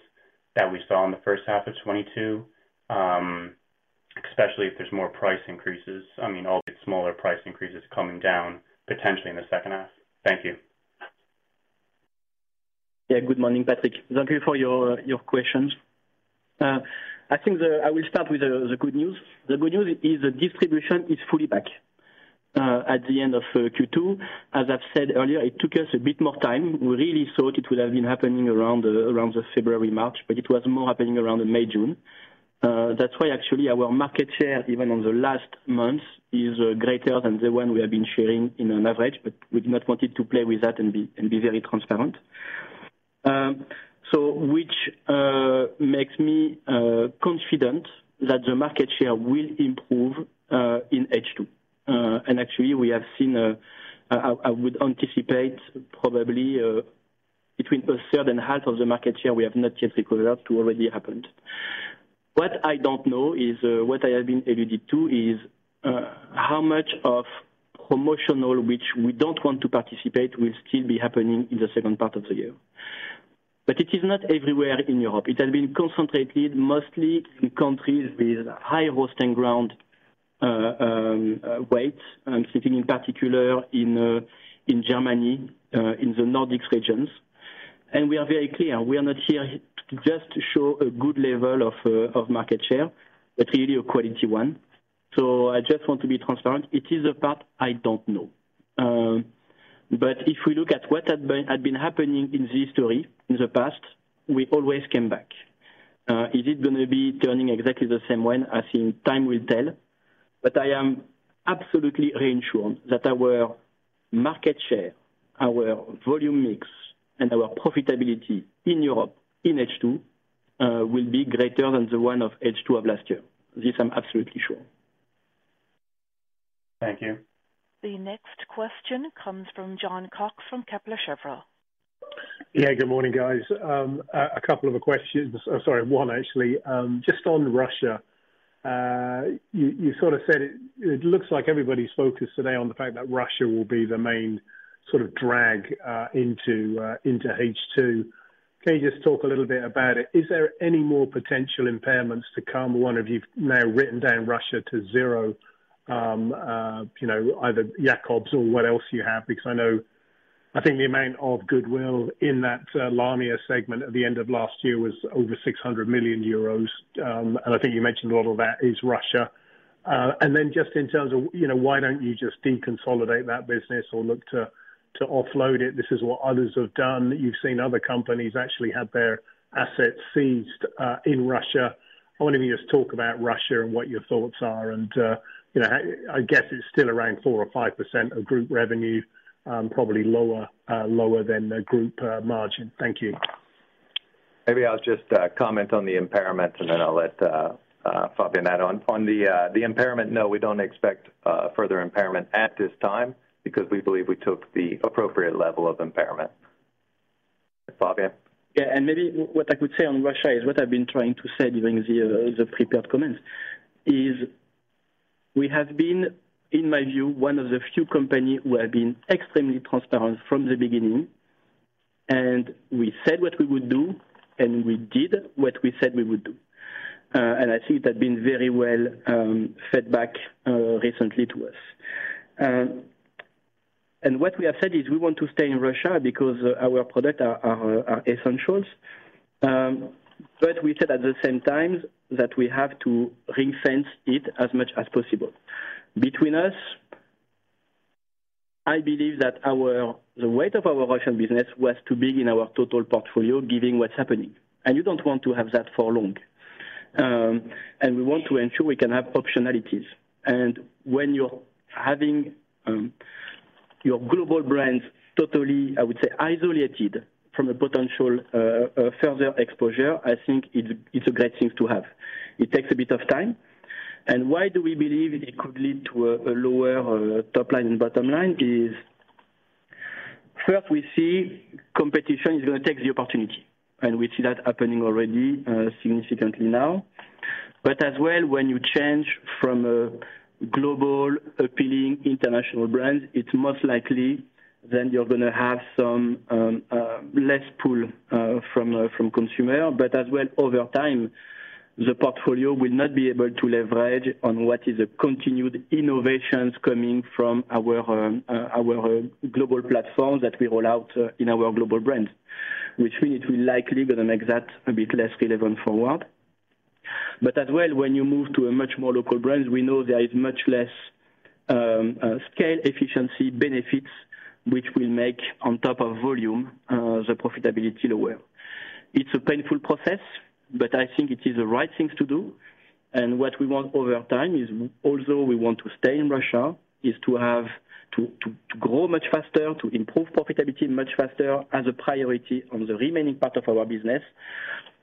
that we saw in the first half of 22, especially if there's more price increases, I mean, all the smaller price increases coming down potentially in the second half? Thank you. Yeah, good morning, Patrick. Thank you for your, your questions. I think the I will start with the, the good news. The good news is the distribution is fully back at the end of Q2. As I've said earlier, it took us a bit more time. We really thought it would have been happening around the, around the February, March, but it was more happening around the May, June. That's why actually our market share, even on the last months, is greater than the one we have been sharing in on average, but we do not want it to play with that and be, and be very transparent. So which makes me confident that the market share will improve in H2. Actually, we have seen, I would anticipate probably, between 1/6 of the market share, we have not yet equalized to already happened. What I don't know is, what I have been alluded to is, how much of promotional, which we don't want to participate, will still be happening in the second part of the year. It is not everywhere in Europe. It has been concentrated mostly in countries with high roasting ground weight, and sitting in particular in Germany, in the Nordics regions. We are very clear, we are not here to just show a good level of market share, but really a quality one. I just want to be transparent. It is a part I don't know. If we look at what had been, had been happening in this story, in the past, we always came back. Is it gonna be turning exactly the same way? I think time will tell. I am absolutely reinsured that our market share, our volume mix, and our profitability in Europe, in H2, will be greater than the one of H2 of last year. This I'm absolutely sure. Thank you. The next question comes from Jon Cox from Kepler Cheuvreux. Yeah, good morning, guys. A couple of questions. Sorry, one, actually. Just on Russia. You sort of said it, it looks like everybody's focused today on the fact that Russia will be the main sort of drag into H2. Can you just talk a little bit about it? Is there any more potential impairments to come? 1, if you've now written down Russia to zero, you know, either Jacobs or what else you have, because I know... I think the amount of goodwill in that LAMEA segment at the end of last year was over 600 million euros. I think you mentioned a lot of that is Russia. Then just in terms of, you know, why don't you just deconsolidate that business or look to offload it? This is what others have done. You've seen other companies actually have their assets seized, in Russia. I wonder if you just talk about Russia and what your thoughts are, and, you know, how-- I guess it's still around 4% or 5% of group revenue, probably lower, lower than the group, margin. Thank you. Maybe I'll just comment on the impairment, and then I'll let Fabien add on. On the impairment, no, we don't expect further impairment at this time, because we believe we took the appropriate level of impairment. Fabien? Yeah, maybe what I could say on Russia is what I've been trying to say during the prepared comments, is we have been, in my view, one of the few companies who have been extremely transparent from the beginning, and we said what we would do, and we did what we said we would do. I think that been very well fed back recently to us. What we have said is we want to stay in Russia because our products are, are, are essentials. We said at the same time that we have to re-fence it as much as possible. Between us, I believe that the weight of our Russian business was too big in our total portfolio, giving what's happening. You don't want to have that for long. We want to ensure we can have optionalities. When you're having your global brands totally, I would say, isolated from a potential further exposure, I think it's, it's a great thing to have. It takes a bit of time. Why do we believe it could lead to a lower top line and bottom line is, first, we see competition is gonna take the opportunity, and we see that happening already significantly now. As well, when you change from a global, appealing international brand, it's most likely then you're gonna have some less pull from consumer. As well, over time, the portfolio will not be able to leverage on what is a continued innovations coming from our global platforms that we roll out in our global brands, which means it will likely gonna make that a bit less relevant forward. As well, when you move to a much more local brands, we know there is much less scale efficiency benefits, which will make on top of volume, the profitability lower. It's a painful process, but I think it is the right thing to do. What we want over time is also, we want to stay in Russia, is to have, to, to, to grow much faster, to improve profitability much faster as a priority on the remaining part of our business,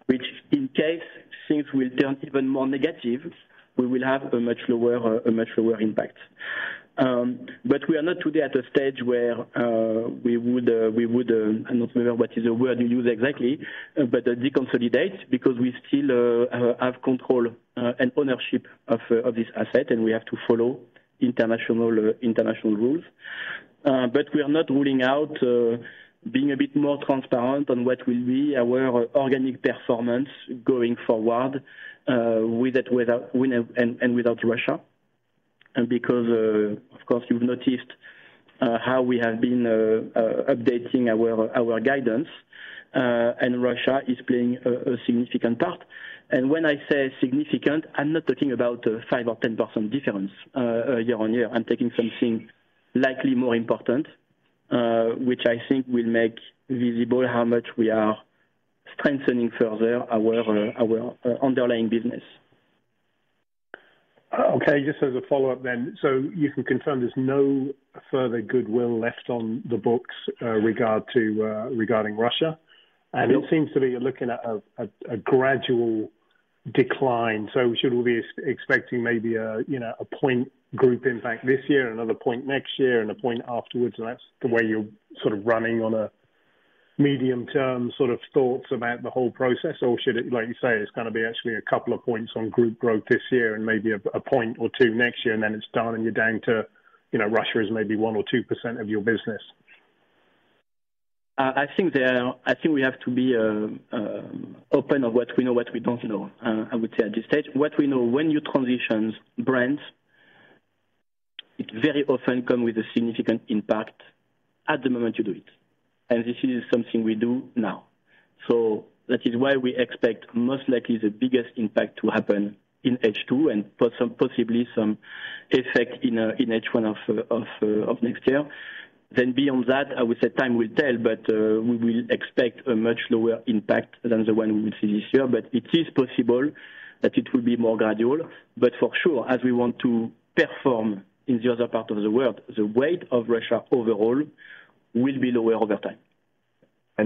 which in case things will turn even more negative, we will have a much lower, a much lower impact. We are not today at a stage where we would, we would, I'm not sure what is the word you use exactly, but deconsolidate, because we still have control and ownership of this asset, and we have to follow international international rules. We are not ruling out being a bit more transparent on what will be our organic performance going forward with or without... With and, and without Russia. Because, of course, you've noticed, how we have been, updating our, our guidance, and Russia is playing a, a significant part. When I say significant, I'm not talking about a five or 10 person difference, year-on-year. I'm taking something likely more important, which I think will make visible how much we are strengthening further our, our underlying business. Okay, just as a follow-up then. You can confirm there's no further goodwill left on the books regarding Russia? Mm-hmm. It seems to be you're looking at a gradual decline. Should we be expecting maybe a, you know, a point group impact this year and another point next year and a point afterwards, and that's the way you're sort of running on a medium-term sort of thoughts about the whole process, or should it, like you say, it's gonna be actually a couple of points on group growth this year and maybe a point or two next year, and then it's done, and you're down to, you know, Russia is maybe 1% or 2% of your business? I think there, I think we have to be open on what we know, what we don't know, I would say at this stage. What we know, when you transitions brands, it very often come with a significant impact at the moment you do it, and this is something we do now. That is why we expect most likely the biggest impact to happen in H2 and possibly some effect in H1 of next year. Beyond that, I would say time will tell, but we will expect a much lower impact than the one we will see this year. It is possible that it will be more gradual, but for sure, as we want to perform in the other part of the world, the weight of Russia overall will be lower over time.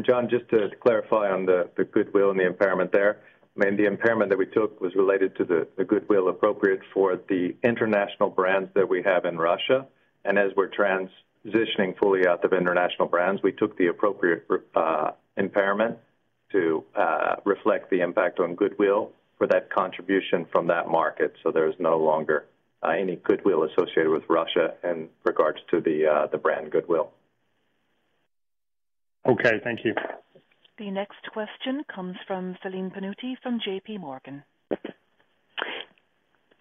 Jon, just to clarify on the, the goodwill and the impairment there, I mean, the impairment that we took was related to the, the goodwill appropriate for the international brands that we have in Russia. As we're transitioning fully out of international brands, we took the appropriate impairment to reflect the impact on goodwill for that contribution from that market. There's no longer any goodwill associated with Russia in regards to the brand goodwill. Okay, thank you. The next question comes from Celine Pannuti, from J.P. Morgan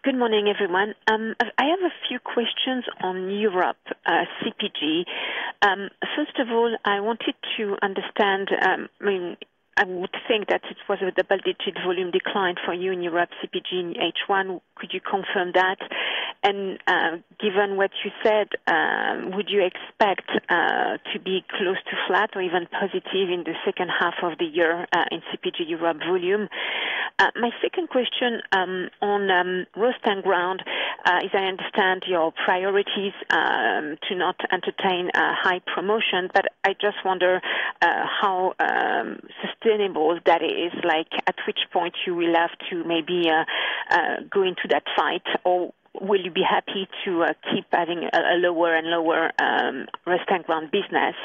Good morning, everyone. I have a few questions on Europe, CPG. First of all, I wanted to understand, I mean, I would think that it was a double-digit volume decline for you in Europe, CPG in H1. Could you confirm that? Given what you said, would you expect to be close to flat or even positive in the second half of the year in CPG Europe volume? My second question on roast and ground is I understand your priorities to not entertain a high promotion, but I just wonder how sustainable that is. Like, at which point you will have to maybe go into that fight, or will you be happy to keep adding a lower and lower roast and ground business?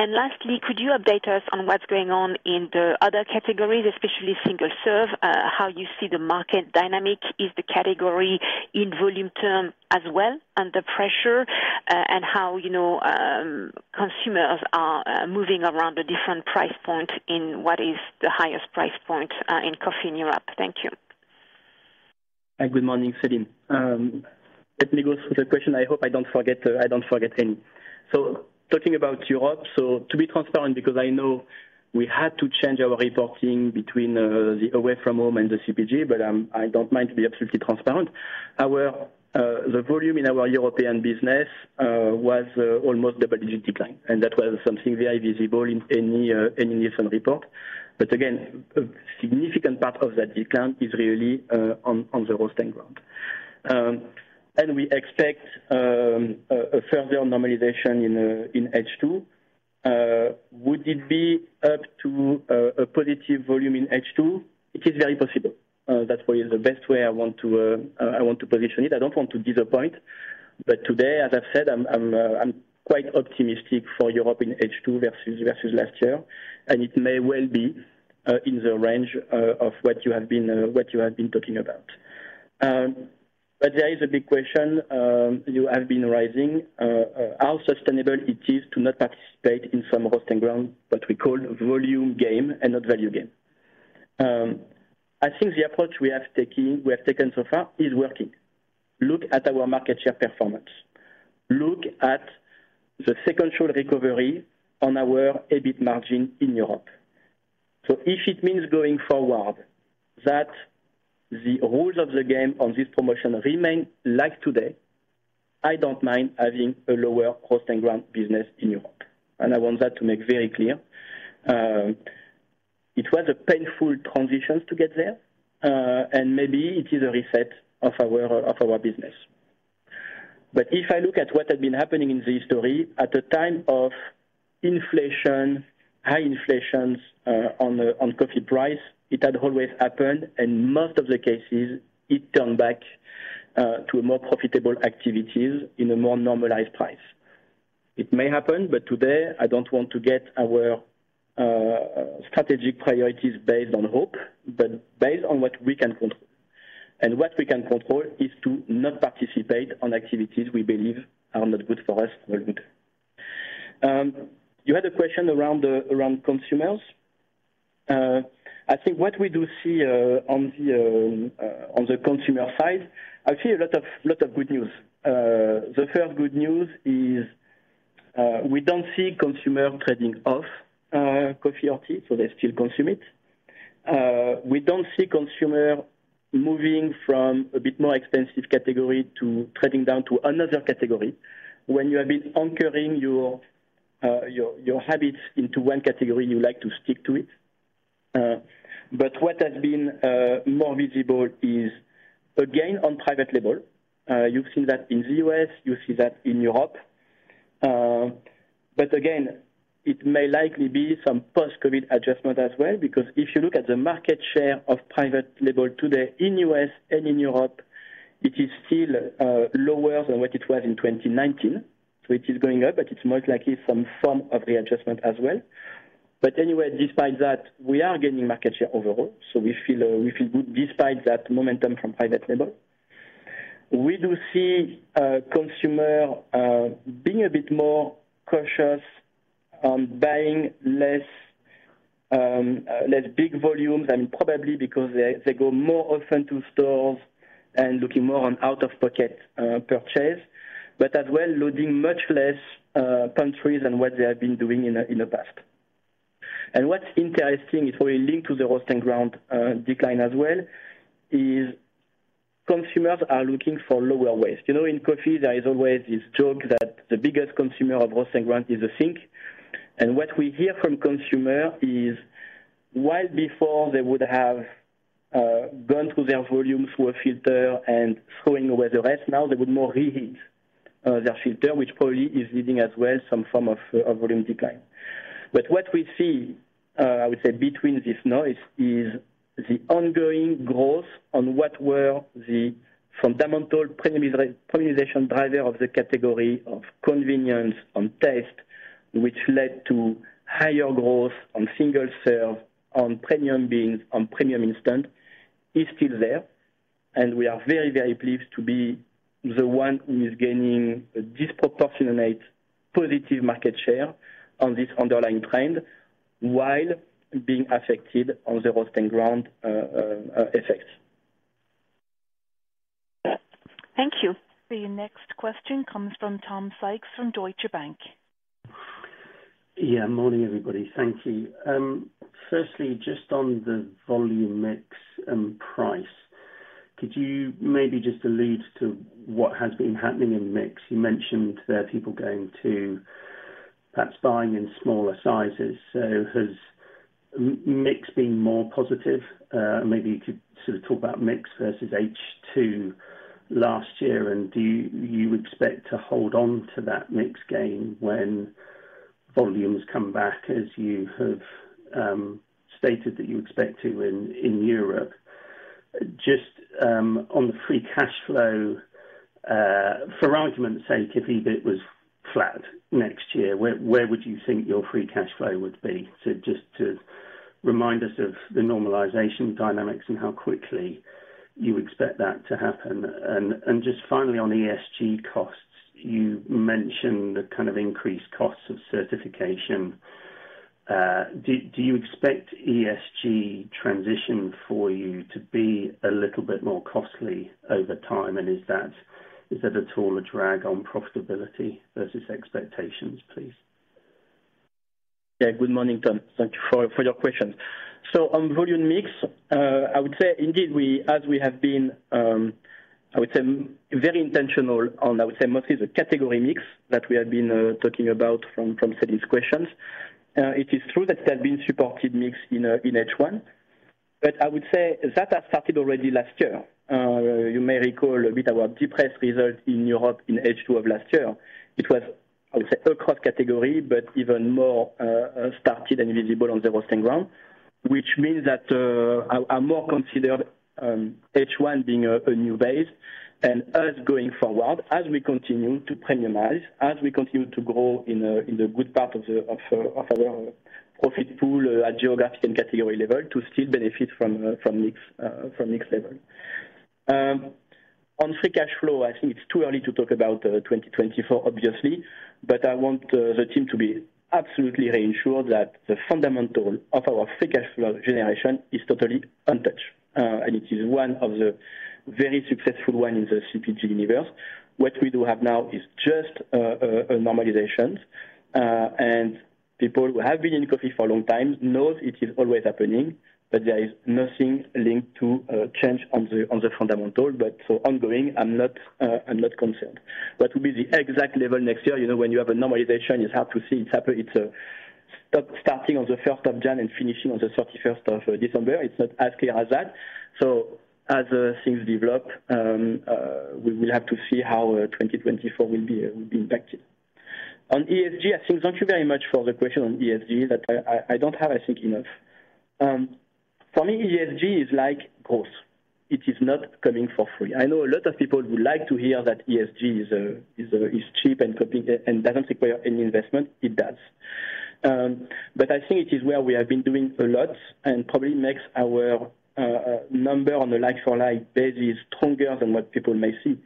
Lastly, could you update us on what's going on in the other categories, especially single-serve, how you see the market dynamic? Is the category in volume term as well, under pressure, and how, you know, consumers are moving around the different price point in what is the highest price point in coffee in Europe? Thank you. Good morning, Celine. Let me go through the question. I hope I don't forget, I don't forget any. Talking about Europe, to be transparent, because I know we had to change our reporting between the away from home and the CPG, I don't mind to be absolutely transparent. The volume in our European business was almost double-digit decline, and that was something very visible in any recent report. Again, a significant part of that decline is really on the roast and ground. We expect a further normalization in H2. Would it be up to a positive volume in H2? It is very possible. That way is the best way I want to position it. I don't want to disappoint, but today, as I've said, I'm, I'm, I'm quite optimistic for Europe in H2 versus, versus last year, and it may well be, in the range, of what you have been, what you have been talking about. There is a big question, you have been raising, how sustainable it is to not participate in some roast and ground, what we call volume game and not value game. I think the approach we have taking, we have taken so far is working. Look at our market share performance. Look at the sequential recovery on our EBIT margin in Europe. If it means going forward, that the rules of the game on this promotion remain like today, I don't mind having a lower roast and ground business in Europe, and I want that to make very clear. It was a painful transition to get there, and maybe it is a reset of our business. If I look at what has been happening in this story, at the time of inflation, high inflations, on the, on coffee price, it had always happened, and most of the cases, it turned back to a more profitable activities in a more normalized price. It may happen, but today, I don't want to get our strategic priorities based on hope, but based on what we can control. And what we can control is to not participate on activities we believe are not good for us, very good. You had a question around, around consumers. I think what we do see, on the consumer side, actually a lot of, lot of good news. The first good news is, we don't see consumer trading off coffee or tea, so they still consume it. We don't see consumer moving from a bit more expensive category to trading down to another category. When you have been anchoring your, your, your habits into one category, you like to stick to it. But what has been more visible is, again, on private label, you've seen that in the U.S., you see that in Europe. Again, it may likely be some post-COVID adjustment as well, because if you look at the market share of private label today in U.S. and in Europe. It is still lower than what it was in 2019, so it is going up, but it's most likely some form of readjustment as well. Anyway, despite that, we are gaining market share overall, so we feel, we feel good despite that momentum from private label. We do see consumer being a bit more cautious on buying less, less big volumes, and probably because they, they go more often to stores and looking more on out-of-pocket purchase, but as well, loading much less pantries than what they have been doing in, in the past. What's interesting is we link to the roast and ground, decline as well, is consumers are looking for lower waste. You know, in coffee, there is always this joke that the biggest consumer of roast and ground is the sink. What we hear from consumer is, while before they would have, gone through their volume through a filter and throwing away the rest, now they would more reheat, their filter, which probably is leading as well, some form of, of volume decline. What we see, I would say, between this noise is the ongoing growth on what were the fundamental premiumization driver of the category of convenience on taste, which led to higher growth on single serve, on premium beans, on premium instant, is still there, and we are very, very pleased to be the one who is gaining disproportionate positive market share on this underlying trend while being affected on the roast and ground effects. Thank you. The next question comes from Tom Sykes, from Deutsche Bank. Yeah, morning, everybody. Thank you. Firstly, just on the volume mix and price, could you maybe just allude to what has been happening in mix? You mentioned there are people going to perhaps buying in smaller sizes, so has mix been more positive? Maybe you could sort of talk about mix versus H2 last year, and do you, you expect to hold on to that mix gain when volumes come back, as you have stated that you expect to in Europe? Just on the free cash flow, for argument's sake, if EBIT was flat next year, where, where would you think your free cash flow would be? Just to remind us of the normalization dynamics and how quickly you expect that to happen. Just finally on ESG costs, you mentioned the kind of increased costs of certification. Do, do you expect ESG transition for you to be a little bit more costly over time? Is that, is that at all a drag on profitability versus expectations, please? Yeah. Good morning, Tom. Thank you for, for your questions. On volume mix, I would say indeed, we, as we have been, I would say, very intentional on, I would say, mostly the category mix that we have been talking about from, from today's questions. It is true that there have been supported mix in H1, but I would say that has started already last year. You may recall a bit about depressed result in Europe in H2 of last year. It was, I would say, across category, but even more started and visible on the roasting ground, which means that I more considered H1 being a new base and us going forward as we continue to premiumize, as we continue to grow in the good part of our profit pool, at geographic and category level, to still benefit from mix, from mix level. On free cash flow, I think it's too early to talk about 2024, obviously, but I want the team to be absolutely reassured that the fundamental of our free cash flow generation is totally untouched, and it is one of the very successful one in the CPG universe. What we do have now is just a normalizations, and people who have been in coffee for a long time know it is always happening, but there is nothing linked to change on the fundamental, but so ongoing, I'm not concerned. What will be the exact level next year, you know, when you have a normalization, it's hard to see. It's starting on the 1st of Jan and finishing on the 31st of December. It's not as clear as that. As things develop, we will have to see how 2024 will be impacted. On ESG, I think thank you very much for the question on ESG, that I, I, I don't have, I think enough. For me, ESG is like growth. It is not coming for free. I know a lot of people would like to hear that ESG is cheap and complete, and doesn't require any investment. It does. I think it is where we have been doing a lot and probably makes our number on the like for like basis stronger than what people may see,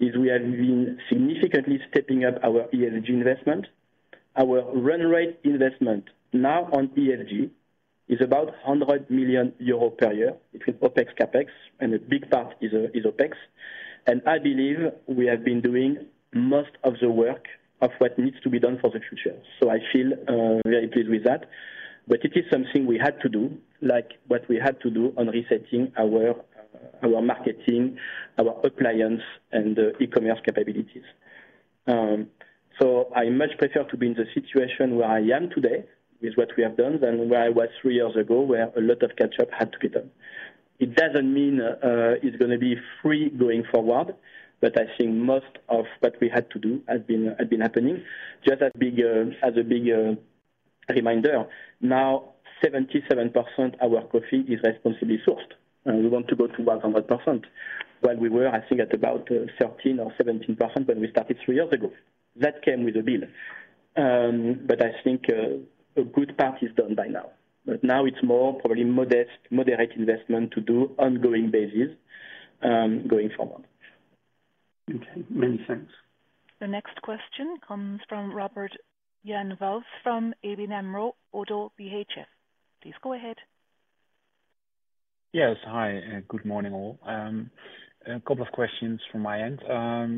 is we have been significantly stepping up our ESG investment. Our run rate investment now on ESG is about 100 million euro per year between OpEx, CapEx, and a big part is OpEx. I believe we have been doing most of the work of what needs to be done for the future. I feel very pleased with that, but it is something we had to do, like what we had to do on resetting our marketing, our appliance and the e-commerce capabilities. I much prefer to be in the situation where I am today with what we have done than where I was three years ago, where a lot of catch up had to be done. It doesn't mean it's gonna be free going forward, but I think most of what we had to do has been, has been happening. Just as big as a big Reminder, now 77% our coffee is responsibly sourced, and we want to go to 100%. When we were, I think, at about 13% or 17% when we started three years ago, that came with a bill. I think a good part is done by now. Now it's more probably modest, moderate investment to do ongoing basis, going forward. Okay, many thanks. The next question comes from Robert Jan Vos from ABN AMRO – ODDO BHF. Please go ahead. Yes. Hi, and good morning, all. A couple of questions from my end.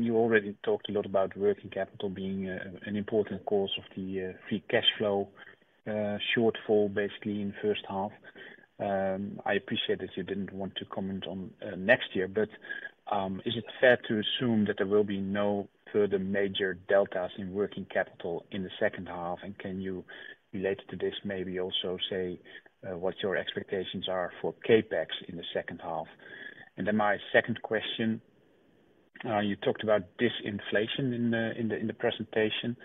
You already talked a lot about working capital being an important cause of the free cash flow shortfall, basically in first half. I appreciate that you didn't want to comment on next year, but is it fair to assume that there will be no further major deltas in working capital in the second half? Can you, related to this, maybe also say what your expectations are for CapEx in the second half? My second question, you talked about disinflation in the, in the, in the presentation.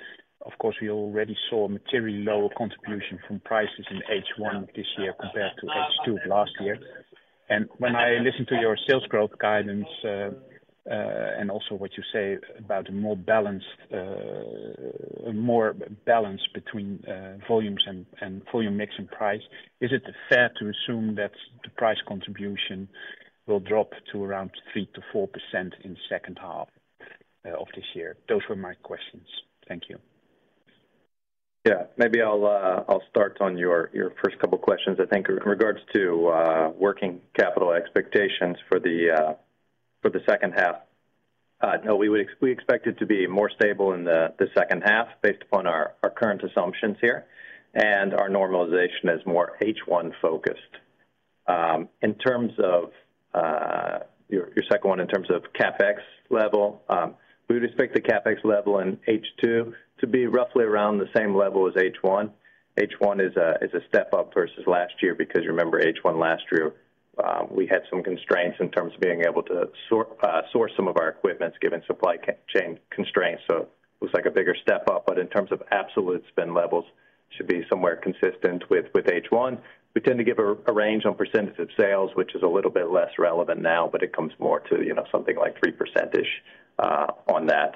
Of course, we already saw a materially lower contribution from prices in H1 this year compared to H2 of last year. When I listen to your sales growth guidance, and also what you say about a more balanced, more balance between volumes and, and volume mix and price, is it fair to assume that the price contribution will drop to around 3%-4% in second half of this year? Those were my questions. Thank you. Yeah. Maybe I'll, I'll start on your, your first couple questions. I think in regards to working capital expectations for the second half, no, we would expect it to be more stable in the second half, based upon our current assumptions here, and our normalization is more H1 focused. In terms of your, your second one, in terms of CapEx level, we would expect the CapEx level in H2 to be roughly around the same level as H1. H1 is a, is a step up versus last year, because remember, H1 last year, we had some constraints in terms of being able to source some of our equipments, given supply chain constraints, so looks like a bigger step up. But in terms of absolute spend levels, should be somewhere consistent with, with H1. We tend to give a range on percentage of sales, which is a little bit less relevant now, but it comes more to, you know, something like 3% on that.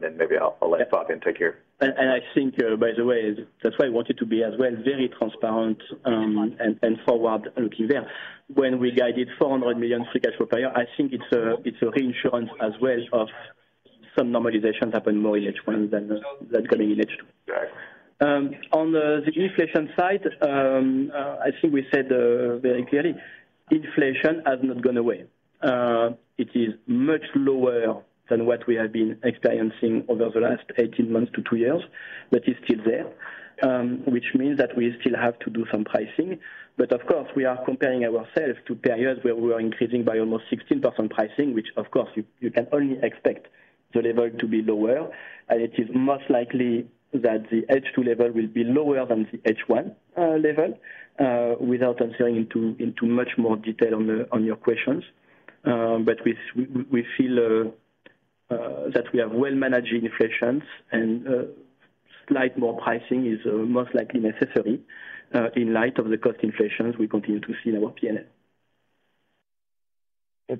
Maybe I'll, I'll let Fabien take care. I think, by the way, that's why I want it to be as well, very transparent, and forward looking there. When we guided 400 million free cash flow per year, I think it's a, it's a reinsurance as well of some normalization happen more in H1 than coming in H2. On the inflation side, I think we said very clearly, inflation has not gone away. It is much lower than what we have been experiencing over the last 18 months-two years. It's still there, which means that we still have to do some pricing. Of course, we are comparing ourselves to periods where we were increasing by almost 16% pricing, which of course, you, you can only expect the level to be lower. It is most likely that the H2 level will be lower than the H1 level without answering into, into much more detail on the, on your questions. We, we, we feel that we have well-managed inflations and slight more pricing is most likely necessary in light of the cost inflations we continue to see in our P&L.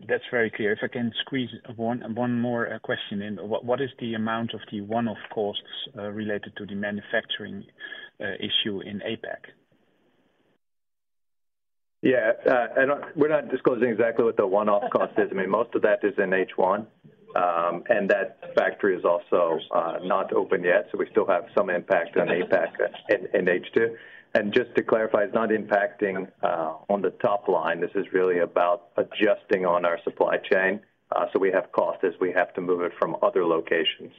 That's very clear. If I can squeeze one, one more question in. What, what is the amount of the one-off costs related to the manufacturing issue in APAC? Yeah, I don't... We're not disclosing exactly what the one-off cost is. I mean, most of that is in H1, and that factory is also not open yet, so we still have some impact on APAC in H2. Just to clarify, it's not impacting on the top line. This is really about adjusting on our supply chain, so we have costs as we have to move it from other locations.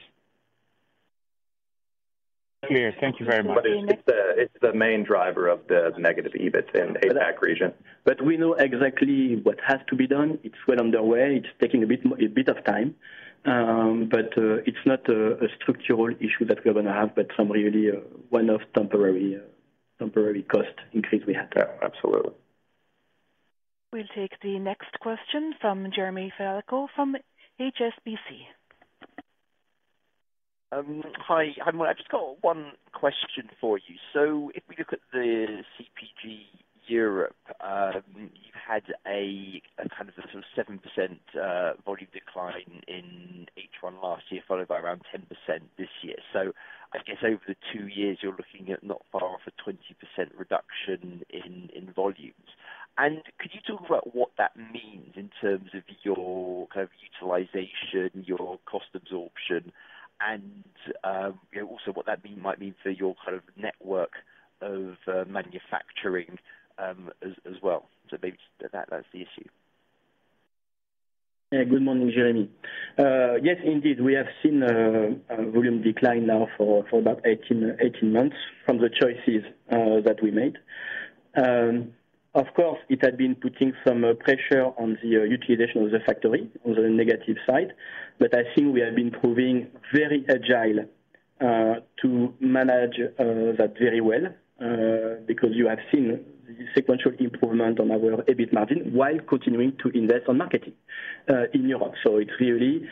Thank you very much. It's the, it's the main driver of the negative EBIT in APAC region. We know exactly what has to be done. It's well underway. It's taking a bit of time, but it's not a, a structural issue that we're going to have, but some really, one-off temporary, temporary cost increase we had. Yeah, absolutely. We'll take the next question from Jeremy Fialko from HSBC. Hi, I've just got one question for you. If we look at the CPG Europe, you've had a kind of a 7% volume decline in H1 last year, followed by around 10% this year. I guess over the two years, you're looking at not far off a 20% reduction in volumes. Could you talk about what that means in terms of your kind of utilization, your cost absorption, and also what that might mean for your kind of network of manufacturing as well? Maybe that's the issue. Yeah. Good morning, Jeremy. Yes, indeed. We have seen a volume decline now for, for about 18, 18 months from the choices that we made. Of course, it had been putting some pressure on the utilization of the factory, on the negative side, but I think we have been proving very agile to manage that very well, because you have seen the sequential improvement on our EBIT margin while continuing to invest on marketing in Europe. It's really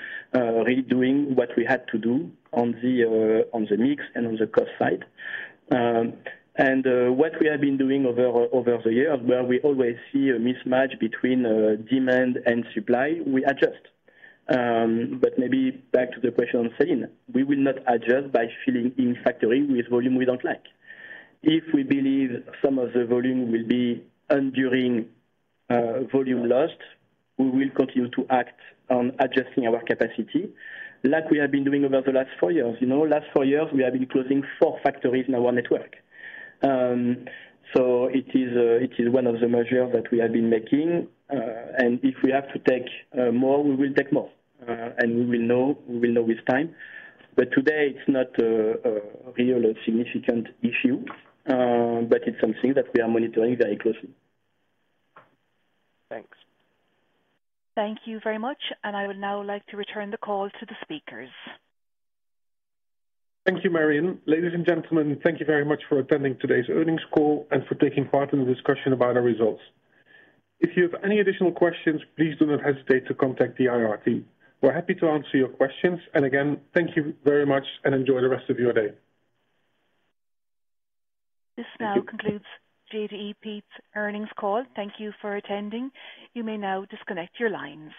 really doing what we had to do on the mix and on the cost side. What we have been doing over, over the years, where we always see a mismatch between demand and supply, we adjust. Maybe back to the question on selling, we will not adjust by filling in factory with volume we don't like. If we believe some of the volume will be enduring, volume lost, we will continue to act on adjusting our capacity like we have been doing over the last four years. You know, last four years, we have been closing four factories in our network. It is, it is one of the measures that we have been making, and if we have to take more, we will take more, and we will know, we will know with time. Today, it's not a, a real or significant issue, but it's something that we are monitoring very closely. Thanks. Thank you very much, I would now like to return the call to the speakers. Thank you, Marion. Ladies and gentlemen, thank you very much for attending today's earnings call and for taking part in the discussion about our results. If you have any additional questions, please do not hesitate to contact the IR team. We're happy to answer your questions. Again, thank you very much and enjoy the rest of your day. This now concludes JDE Peet's earnings call. Thank you for attending. You may now disconnect your lines.